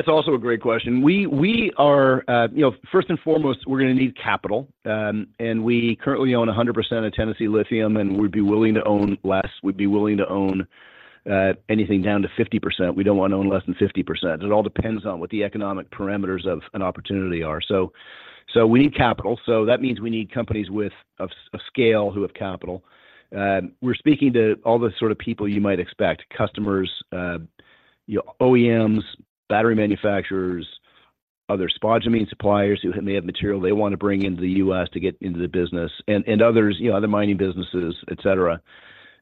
development? That's also a great question. We are, you know, first and foremost, we're going to need capital. We currently own 100% of Tennessee Lithium, and we'd be willing to own less. We'd be willing to own anything down to 50%. We don't want to own less than 50%. It all depends on what the economic parameters of an opportunity are. So we need capital, so that means we need companies with scale who have capital. We're speaking to all the sort of people you might expect, customers, OEMs, battery manufacturers, other spodumene suppliers who may have material they want to bring into the U.S. to get into the business, and others, you know, other mining businesses, et cetera.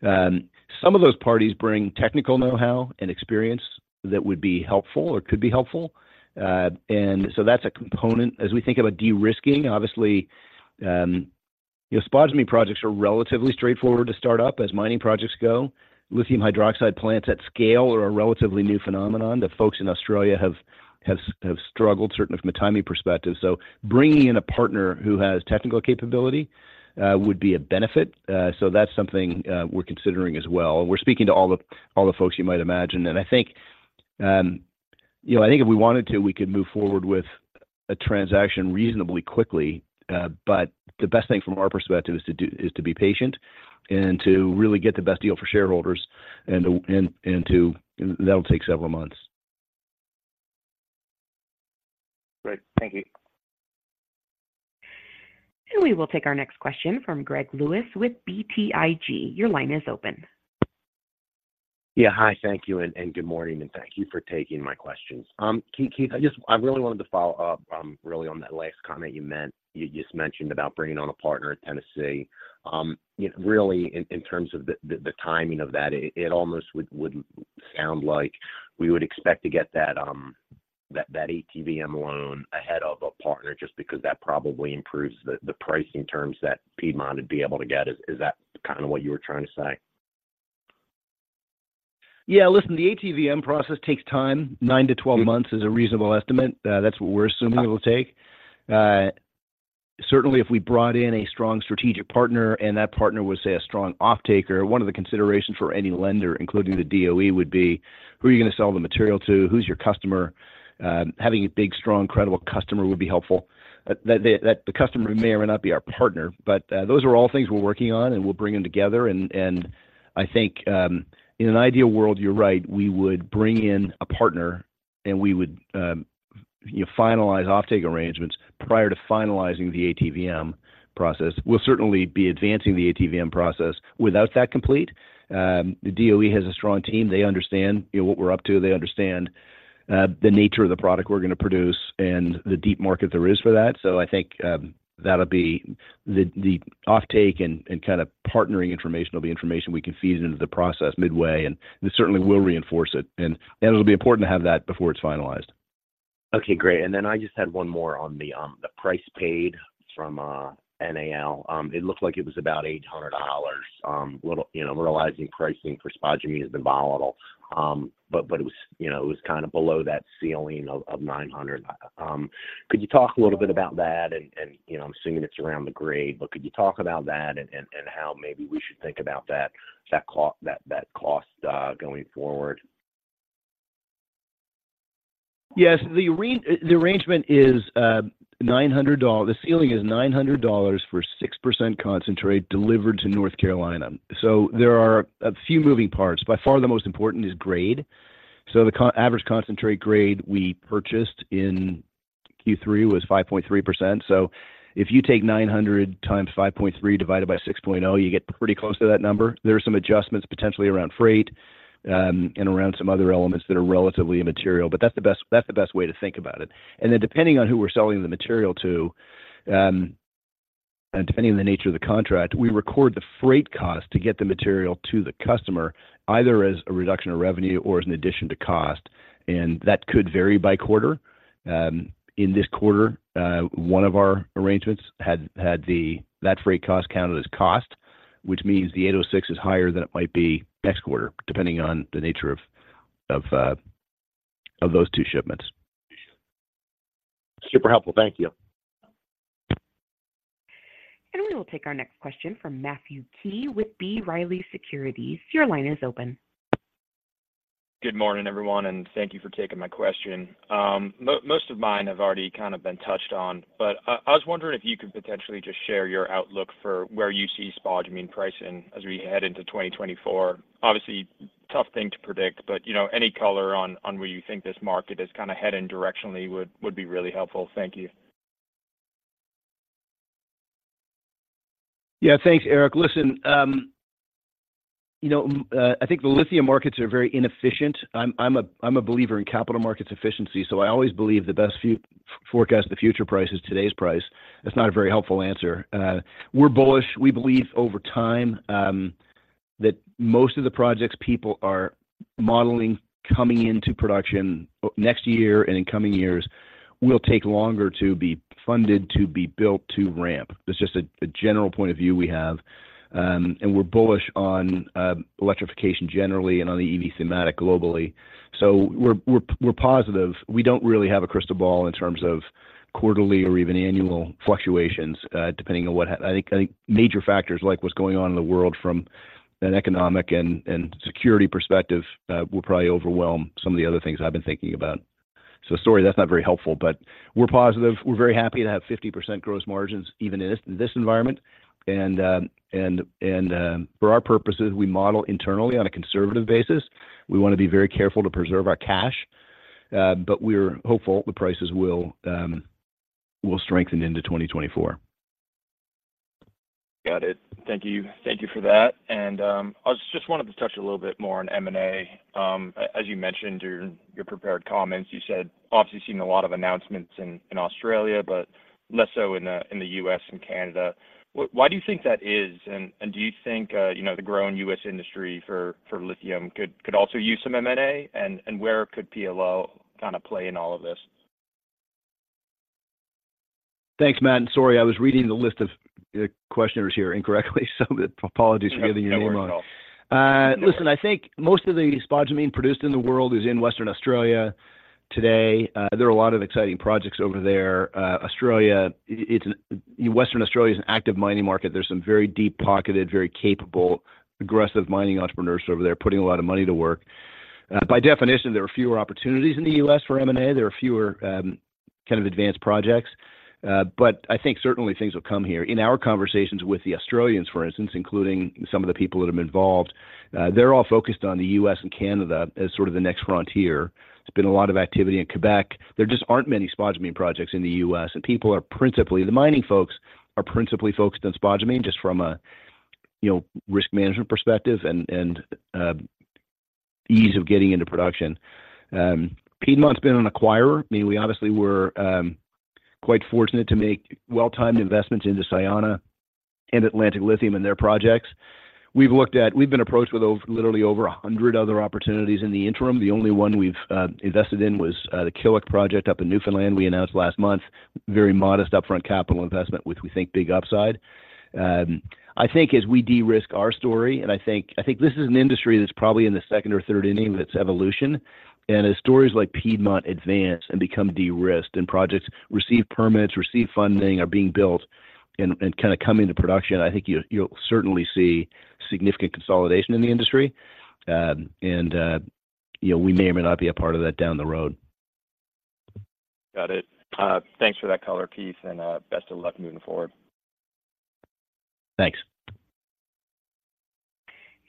Some of those parties bring technical know-how and experience that would be helpful or could be helpful. So that's a component. As we think about de-risking, obviously, spodumene projects are relatively straightforward to start up as mining projects go. Lithium hydroxide plants at scale are a relatively new phenomenon. The folks in Australia have struggled, certainly from a timing perspective. So bringing in a partner who has technical capability would be a benefit. So that's something we're considering as well. We're speaking to all the folks you might imagine. And I think, you know, I think if we wanted to, we could move forward with a transaction reasonably quickly, but the best thing from our perspective is to do-- is to be patient and to really get the best deal for shareholders and to, and, and to... That'll take several months. Great, thank you. We will take our next question from Greg Lewis with BTIG. Your line is open. Yeah, hi, thank you, and good morning, and thank you for taking my questions. Keith, I just I really wanted to follow up, really on that last comment you meant, you just mentioned about bringing on a partner at Tennessee. You know, really, in terms of the timing of that, it almost would sound like we would expect to get that ATVM loan ahead of a partner just because that probably improves the pricing terms that Piedmont would be able to get. Is that what you were trying to say? Yeah, listen, the ATVM process takes time. 9-12 months is a reasonable estimate. That's what we're assuming it will take. Certainly, if we brought in a strong strategic partner and that partner was, say, a strong offtaker, one of the considerations for any lender, including the DOE, would be, who are you going to sell the material to? Who's your customer? Having a big, strong, credible customer would be helpful. That, that, that the customer may or may not be our partner, but, those are all things we're working on, and we'll bring them together. And, and I think, in an ideal world, you're right, we would bring in a partner and we would, you know, finalize offtake arrangements prior to finalizing the ATVM process. We'll certainly be advancing the ATVM process. Without that complete, the DOE has a strong team. They understand, you know, what we're up to. They understand the nature of the product we're going to produce and the deep market there is for that. So I think that'll be the offtake and partnering information we can feed into the process midway, and this certainly will reinforce it, and it'll be important to have that before it's finalized. Okay, great. And then I just had one more on the, the price paid from, NAL. It looked like it was about $800. You know, realizing pricing for spodumene has been volatile, but, but it was, you know, it was below that ceiling of, of $900. Could you talk a little bit about that? And, and, you know, I'm assuming it's around the grade, but could you talk about that and, and, and how maybe we should think about that, that cost, that, that cost, going forward? Yes, the arrangement is $900. The ceiling is $900 for 6% concentrate delivered to North Carolina. So there are a few moving parts. By far, the most important is grade. So the average concentrate grade we purchased in Q3 was 5.3%. So if you take $900 times 5.3, divided by 6.0, you get pretty close to that number. There are some adjustments, potentially around freight, and around some other elements that are relatively immaterial, but that's the best, that's the best way to think about it. Then depending on who we're selling the material to, and depending on the nature of the contract, we record the freight cost to get the material to the customer, either as a reduction of revenue or as an addition to cost, and that could vary by quarter. In this quarter, one of our arrangements had that freight cost counted as cost, which means the 806 is higher than it might be next quarter, depending on the nature of those two shipments. Super helpful. Thank you. We will take our next question from Matthew Key with B. Riley Securities. Your line is open. Good morning, everyone, and thank you for taking my question. Most of mine have already kind of been touched on, but I was wondering if you could potentially just share your outlook for where you see spodumene pricing as we head into 2024. Obviously, tough thing to predict, but you know, any color on where you think this market is kind of heading directionally would be really helpful. Thank you.... Yeah, thanks, Matt. Listen, you know, I think the lithium markets are very inefficient. I'm a believer in capital markets efficiency, so I always believe the best forecast of the future price is today's price. That's not a very helpful answer. We're bullish. We believe over time that most of the projects people are modeling coming into production next year and in coming years will take longer to be funded, to be built, to ramp. That's just a general point of view we have. And we're bullish on electrification generally, and on the EV thematic globally. So we're positive. We don't really have a crystal ball in terms of quarterly or even annual fluctuations, depending on what, I think, I think major factors, like what's going on in the world from an economic and security perspective, will probably overwhelm some of the other things I've been thinking about. So sorry, that's not very helpful, but we're positive. We're very happy to have 50% gross margins, even in this environment. For our purposes, we model internally on a conservative basis. We wanna be very careful to preserve our cash, but we're hopeful the prices will strengthen into 2024. Got it. Thank you. Thank you for that. And, I was just wanted to touch a little bit more on M&A. As you mentioned, your prepared comments, you said obviously seen a lot of announcements in Australia, but less so in the U.S. and Canada. Why do you think that is? And, do you think, you know, the growing U.S. industry for lithium could also use some M&A? And, where could PLL kind of play in all of this? Thanks, Matt. And sorry, I was reading the list of questioners here incorrectly, so apologies for getting your name wrong. No worries at all. Listen, I think most of the spodumene produced in the world is in Western Australia today. There are a lot of exciting projects over there. Australia, it's... Western Australia is an active mining market. There's some very deep-pocketed, very capable, aggressive mining entrepreneurs over there, putting a lot of money to work. By definition, there are fewer opportunities in the U.S. for M&A. There are fewer, kind of advanced projects. But I think certainly things will come here. In our conversations with the Australians, for instance, including some of the people that have been involved, they're all focused on the U.S. and Canada as sort of the next frontier. There's been a lot of activity in Quebec. There just aren't many spodumene projects in the U.S., and people are principally—the mining folks are principally focused on spodumene, just from a, you know, risk management perspective and ease of getting into production. Piedmont's been an acquirer. I mean, we obviously were quite fortunate to make well-timed investments into Sayona and Atlantic Lithium and their projects. We've been approached with over, literally over 100 other opportunities in the interim. The only one we've invested in was the Killick project up in Newfoundland. We announced last month, very modest upfront capital investment, which we think big upside. I think as we de-risk our story, and I think this is an industry that's probably in the second or third inning of its evolution. As stories like Piedmont advance and become de-risked and projects receive permits, receive funding, are being built, and kind of come into production, I think you'll certainly see significant consolidation in the industry. You know, we may or may not be a part of that down the road. Got it. Thanks for that color piece, and best of luck moving forward. Thanks.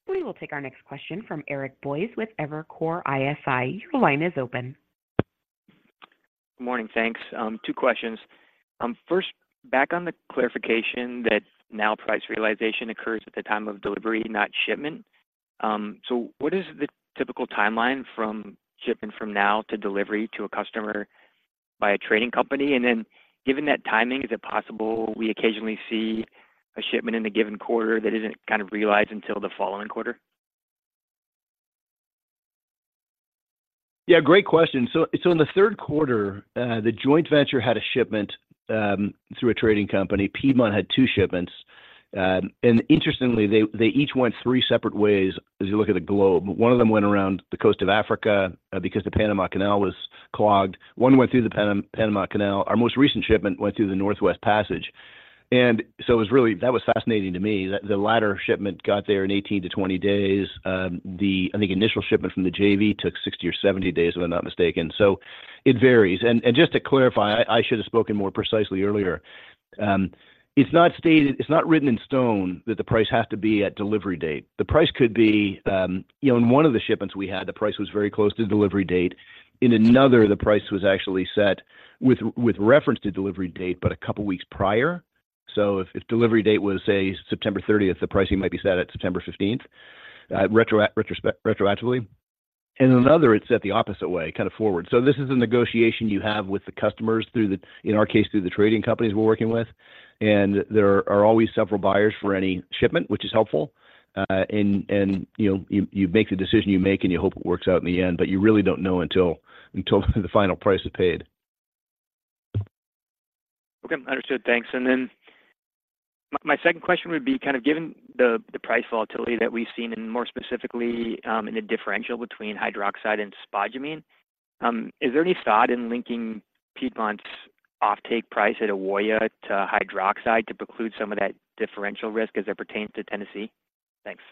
We will take our next question from Eric Boyes with Evercore ISI. Your line is open. Good morning, thanks. Two questions. First, back on the clarification that now price realization occurs at the time of delivery, not shipment. So what is the typical timeline from shipping from now to delivery to a customer by a trading company? And then, given that timing, is it possible we occasionally see a shipment in a given quarter that isn't kind of realized until the following quarter? Yeah, great question. So in the third quarter, the joint venture had a shipment through a trading company. Piedmont had 2 shipments. And interestingly, they each went 3 separate ways as you look at the globe. One of them went around the coast of Africa because the Panama Canal was clogged. One went through the Panama Canal. Our most recent shipment went through the Northwest Passage, and so it was really... That was fascinating to me, that the latter shipment got there in 18-20 days. The initial shipment from the JV took 60 or 70 days, if I'm not mistaken. So it varies. Just to clarify, I should have spoken more precisely earlier. It's not stated, it's not written in stone that the price has to be at delivery date. The price could be. You know, in one of the shipments we had, the price was very close to the delivery date. In another, the price was actually set with reference to delivery date, but a couple weeks prior. So if delivery date was, say, September 30th, the pricing might be set at September 15th, retroactively. In another, it's set the opposite way, kind of forward. So this is a negotiation you have with the customers through the, in our case, through the trading companies we're working with. And there are always several buyers for any shipment, which is helpful. And, you know, you make the decision you make, and you hope it works out in the end, but you really don't know until the final price is paid. Okay, understood. Thanks. Then my second question would be kind of given the price volatility that we've seen, and more specifically, in the differential between hydroxide and spodumene, is there any thought in linking Piedmont's offtake price at Ewoyaa to hydroxide to preclude some of that differential risk as it pertains to Tennessee? Thanks. ...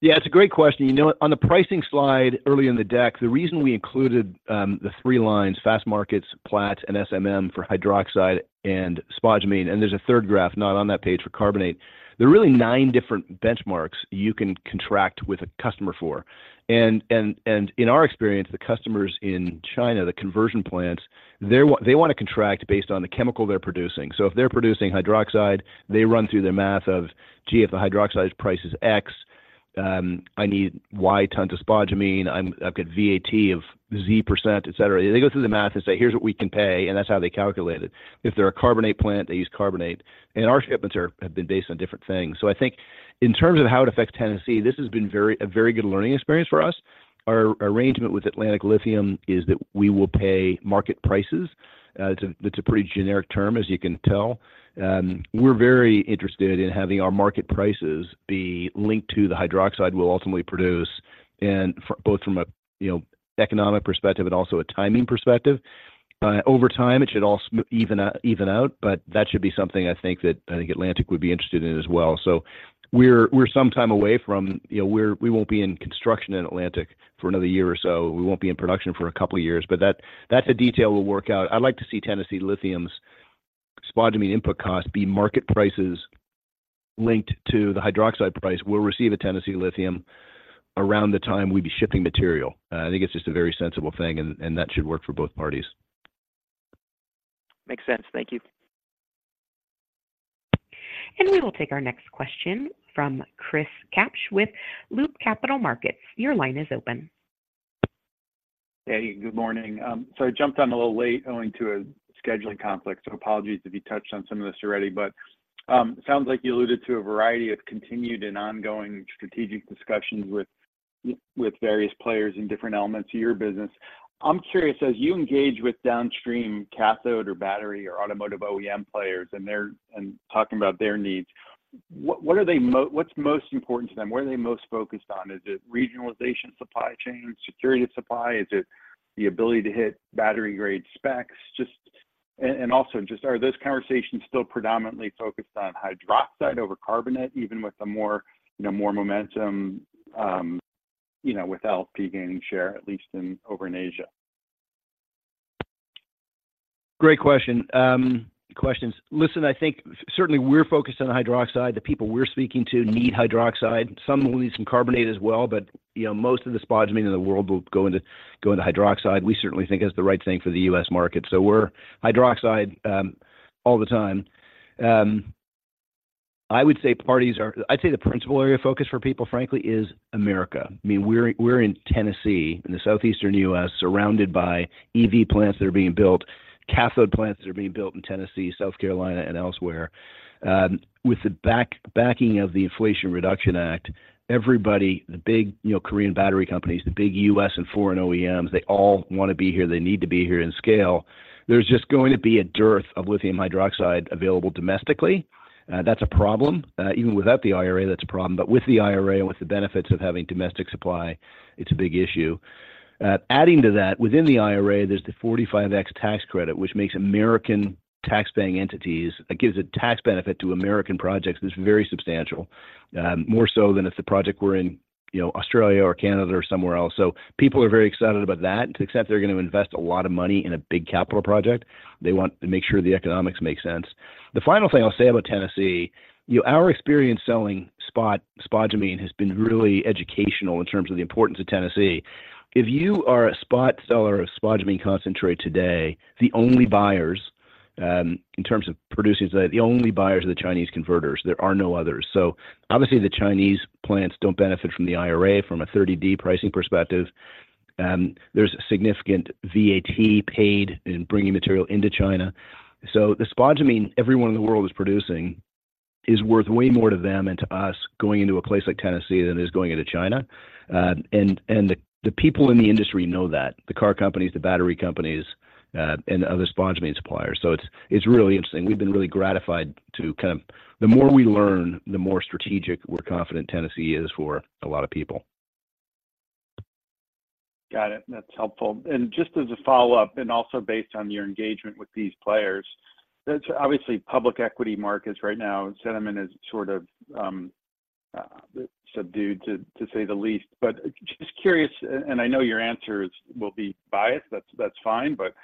Yeah, it's a great question. You know what? On the pricing slide earlier in the deck, the reason we included the three lines, Fastmarkets, Platts, and SMM for hydroxide and spodumene, and there's a third graph not on that page for carbonate. There are really nine different benchmarks you can contract with a customer for. And in our experience, the customers in China, the conversion plants, they're want to contract based on the chemical they're producing. So if they're producing hydroxide, they run through their math of, "Gee, if the hydroxide price is X, I need Y tons of spodumene, I've got VAT of Z%," et cetera. They go through the math and say, "Here's what we can pay," and that's how they calculate it. If they're a carbonate plant, they use carbonate, and our shipments are, have been based on different things. So I think in terms of how it affects Tennessee, this has been a very good learning experience for us. Our arrangement with Atlantic Lithium is that we will pay market prices. It's a pretty generic term, as you can tell. And we're very interested in having our market prices be linked to the hydroxide we'll ultimately produce, and for both from a, you know, economic perspective and also a timing perspective. Over time, it should all even out, but that should be something I think that, I think Atlantic would be interested in as well. So we're some time away from... You know, we won't be in construction in Atlantic for another year or so. We won't be in production for a couple of years, but that, that's a detail we'll work out. I'd like to see Tennessee Lithium's spodumene input cost be market prices linked to the hydroxide price. We'll receive a Tennessee Lithium around the time we'd be shipping material. I think it's just a very sensible thing, and, and that should work for both parties. Makes sense. Thank you. We will take our next question from Chris Kapsch with Loop Capital Markets. Your line is open. Hey, good morning. So I jumped on a little late owing to a scheduling conflict, so apologies if you touched on some of this already. But sounds like you alluded to a variety of continued and ongoing strategic discussions with various players in different elements of your business. I'm curious, as you engage with downstream cathode, or battery, or automotive OEM players, and they're talking about their needs, what's most important to them? What are they most focused on? Is it regionalization, supply chain, security of supply? Is it the ability to hit battery grade specs? Just, and also, just are those conversations still predominantly focused on hydroxide over carbonate, even with the more, you know, more momentum, you know, with LP gaining share, at least over in Asia? Great question, questions. Listen, I think certainly we're focused on hydroxide. The people we're speaking to need hydroxide. Some will need some carbonate as well, but, you know, most of the spodumene in the world will go into hydroxide. We certainly think it's the right thing for the U.S. market, so we're hydroxide, all the time. I would say parties are-- I'd say the principal area of focus for people, frankly, is America. I mean, we're in Tennessee, in the southeastern U.S., surrounded by EV plants that are being built, cathode plants that are being built in Tennessee, South Carolina, and elsewhere. With the backing of the Inflation Reduction Act, everybody, the big, you know, Korean battery companies, the big U.S. and foreign OEMs, they all want to be here. They need to be here in scale. There's just going to be a dearth of lithium hydroxide available domestically. That's a problem. Even without the IRA, that's a problem. But with the IRA and with the benefits of having domestic supply, it's a big issue. Adding to that, within the IRA, there's the 45X tax credit, which makes American taxpaying entities... It gives a tax benefit to American projects that's very substantial, more so than if the project were in, you know, Australia or Canada or somewhere else. So people are very excited about that, and to the extent they're going to invest a lot of money in a big capital project, they want to make sure the economics make sense. The final thing I'll say about Tennessee, you know, our experience selling spot spodumene has been really educational in terms of the importance of Tennessee. If you are a spot seller of spodumene concentrate today, the only buyers, in terms of producing today, the only buyers are the Chinese converters. There are no others. So obviously, the Chinese plants don't benefit from the IRA from a 30D pricing perspective, and there's significant VAT paid in bringing material into China. So the spodumene everyone in the world is producing is worth way more to them and to us going into a place like Tennessee than it is going into China. And the people in the industry know that, the car companies, the battery companies, and other spodumene suppliers. So it's really interesting. We've been really gratified to kind of... The more we learn, the more strategic we're confident Tennessee is for a lot of people. Got it. That's helpful. And just as a follow-up, and also based on your engagement with these players, that's obviously public equity markets right now, sentiment is sort of subdued, to say the least. But just curious, and I know your answers will be biased, that's fine, but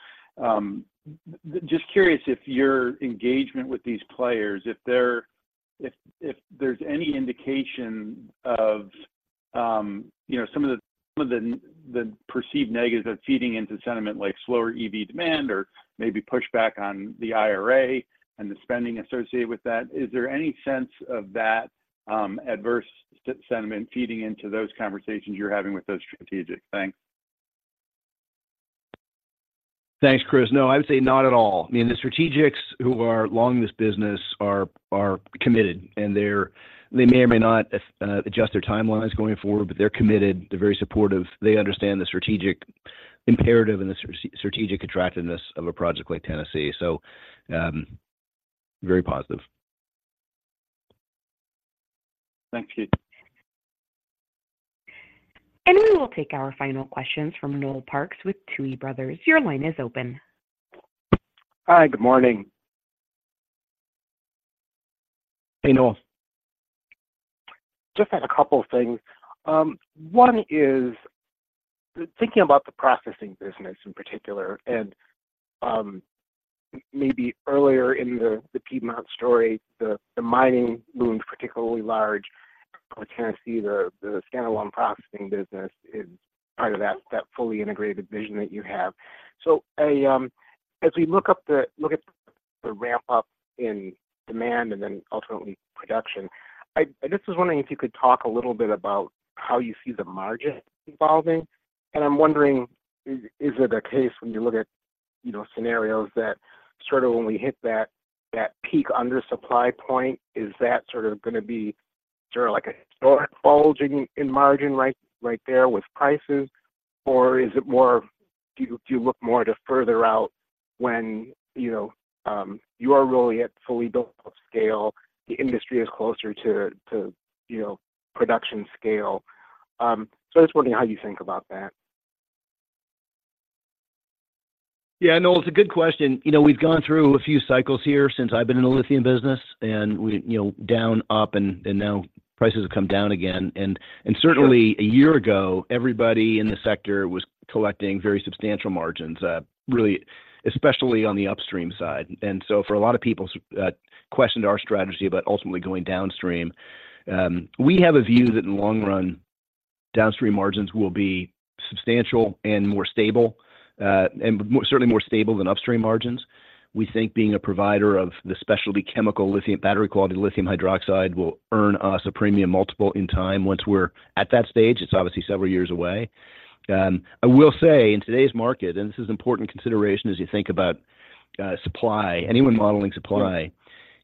just curious if your engagement with these players, if there's any indication of you know, some of the perceived negatives that's feeding into sentiment, like slower EV demand or maybe pushback on the IRA and the spending associated with that. Is there any sense of that adverse sentiment feeding into those conversations you're having with those strategics? Thanks. Thanks, Chris. No, I would say not at all. I mean, the strategics who are long in this business are, are committed, and they're, they may or may not adjust their timelines going forward, but they're committed. They're very supportive. They understand the strategic imperative and the strategic attractiveness of a project like Tennessee, so, very positive. Thank you. We will take our final questions from Noel Parks with Tuohy Brothers. Your line is open. Hi, good morning.... Hey, Noel. Just had a couple of things. One is, thinking about the processing business in particular, and maybe earlier in the Piedmont story, the mining loomed particularly large. For Tennessee, the stand-alone processing business is part of that fully integrated vision that you have. So as we look at the ramp up in demand and then ultimately production, I just was wondering if you could talk a little bit about how you see the margin evolving. And I'm wondering, is it a case when you look at, you know, scenarios that sort of when we hit that peak undersupply point, is that sort of gonna be sort of like a historic bulge in margin, right there with prices? Or is it more of, do you look more to further out when, you know, you are really at fully built scale, the industry is closer to, you know, production scale? So I'm just wondering how you think about that. Yeah, Noel, it's a good question. You know, we've gone through a few cycles here since I've been in the lithium business, and we, you know, down, up, and now prices have come down again. And certainly a year ago, everybody in the sector was collecting very substantial margins, really, especially on the upstream side. And so for a lot of people, questioned our strategy about ultimately going downstream. We have a view that in the long run, downstream margins will be substantial and more stable, and more, certainly more stable than upstream margins. We think being a provider of the specialty chemical lithium, battery-quality lithium hydroxide will earn us a premium multiple in time once we're at that stage. It's obviously several years away. I will say in today's market, and this is important consideration as you think about supply, anyone modeling supply.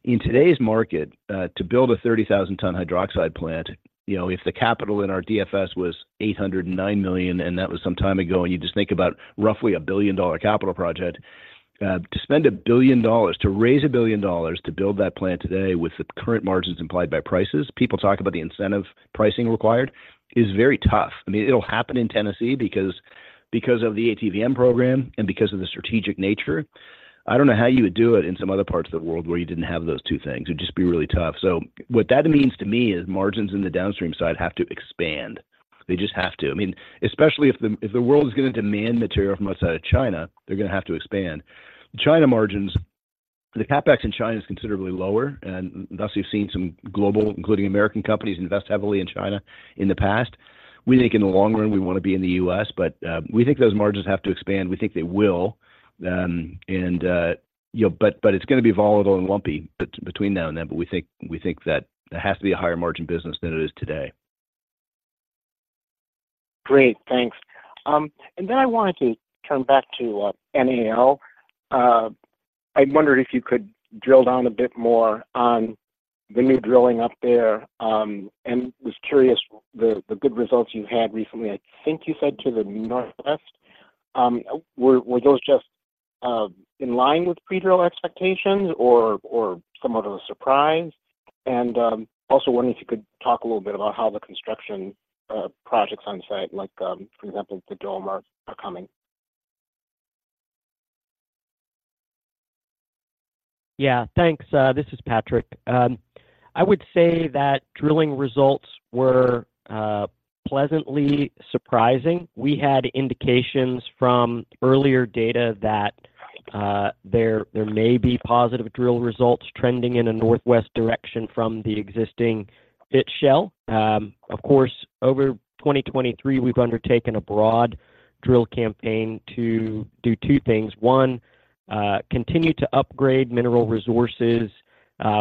In today's market, to build a 30,000-ton hydroxide plant, you know, if the capital in our DFS was $809 million, and that was some time ago, and you just think about roughly a billion-dollar capital project. To spend $1 billion, to raise $1 billion to build that plant today with the current margins implied by prices, people talk about the incentive pricing required, is very tough. I mean, it'll happen in Tennessee because, because of the ATVM program and because of the strategic nature. I don't know how you would do it in some other parts of the world where you didn't have those two things. It would just be really tough. So what that means to me is margins in the downstream side have to expand. They just have to. I mean, especially if the, if the world is gonna demand material from outside of China, they're gonna have to expand. China margins. The CapEx in China is considerably lower, and thus we've seen some global, including American companies, invest heavily in China in the past. We think in the long run, we want to be in the U.S., but we think those margins have to expand. We think they will. You know, but, but it's gonna be volatile and lumpy between now and then, but we think, we think that it has to be a higher margin business than it is today. Great, thanks. And then I wanted to come back to NAL. I wondered if you could drill down a bit more on the new drilling up there, and was curious, the good results you've had recently, I think you said to the northwest. Were those just in line with pre-drill expectations or somewhat of a surprise? And also wondering if you could talk a little bit about how the construction projects on site, like for example, the dome are coming. Yeah, thanks. This is Patrick. I would say that drilling results were pleasantly surprising. We had indications from earlier data that there may be positive drill results trending in a northwest direction from the existing pit shell. Of course, over 2023, we've undertaken a broad drill campaign to do two things. One, continue to upgrade mineral resources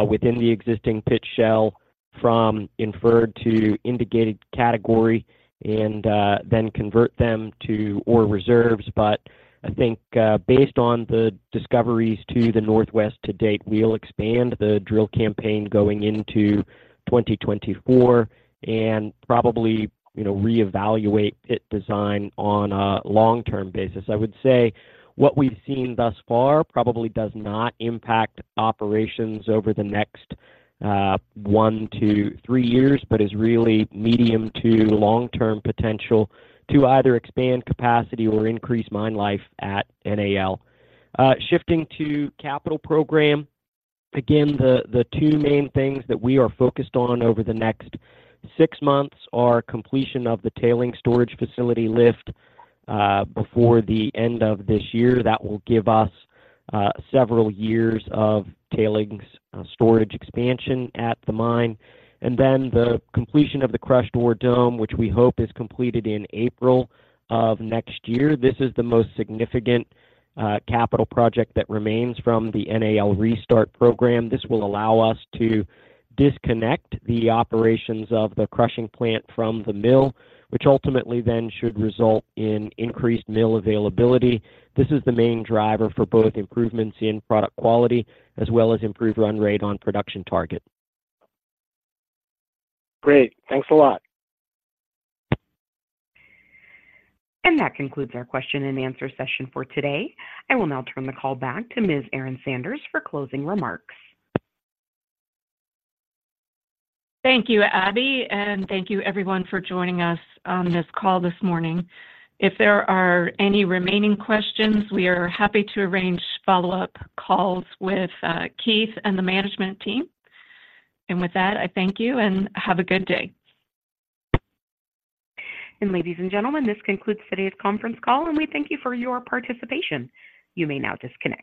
within the existing pit shell from inferred to indicated category, and then convert them to ore reserves. But I think, based on the discoveries to the northwest to date, we'll expand the drill campaign going into 2024 and probably, you know, reevaluate pit design on a long-term basis. I would say what we've seen thus far probably does not impact operations over the next 1-3 years, but is really medium- to long-term potential to either expand capacity or increase mine life at NAL. Shifting to capital program, again, the two main things that we are focused on over the next 6 months are completion of the tailings storage facility lift before the end of this year. That will give us several years of tailings storage expansion at the mine. And then the completion of the crushed ore dome, which we hope is completed in April of next year. This is the most significant capital project that remains from the NAL restart program. This will allow us to disconnect the operations of the crushing plant from the mill, which ultimately then should result in increased mill availability. This is the main driver for both improvements in product quality as well as improved run rate on production target. Great. Thanks a lot. That concludes our question and answer session for today. I will now turn the call back to Ms. Erin Sanders for closing remarks. Thank you, Abby, and thank you everyone for joining us on this call this morning. If there are any remaining questions, we are happy to arrange follow-up calls with Keith and the management team. With that, I thank you and have a good day. Ladies and gentlemen, this concludes today's conference call, and we thank you for your participation. You may now disconnect.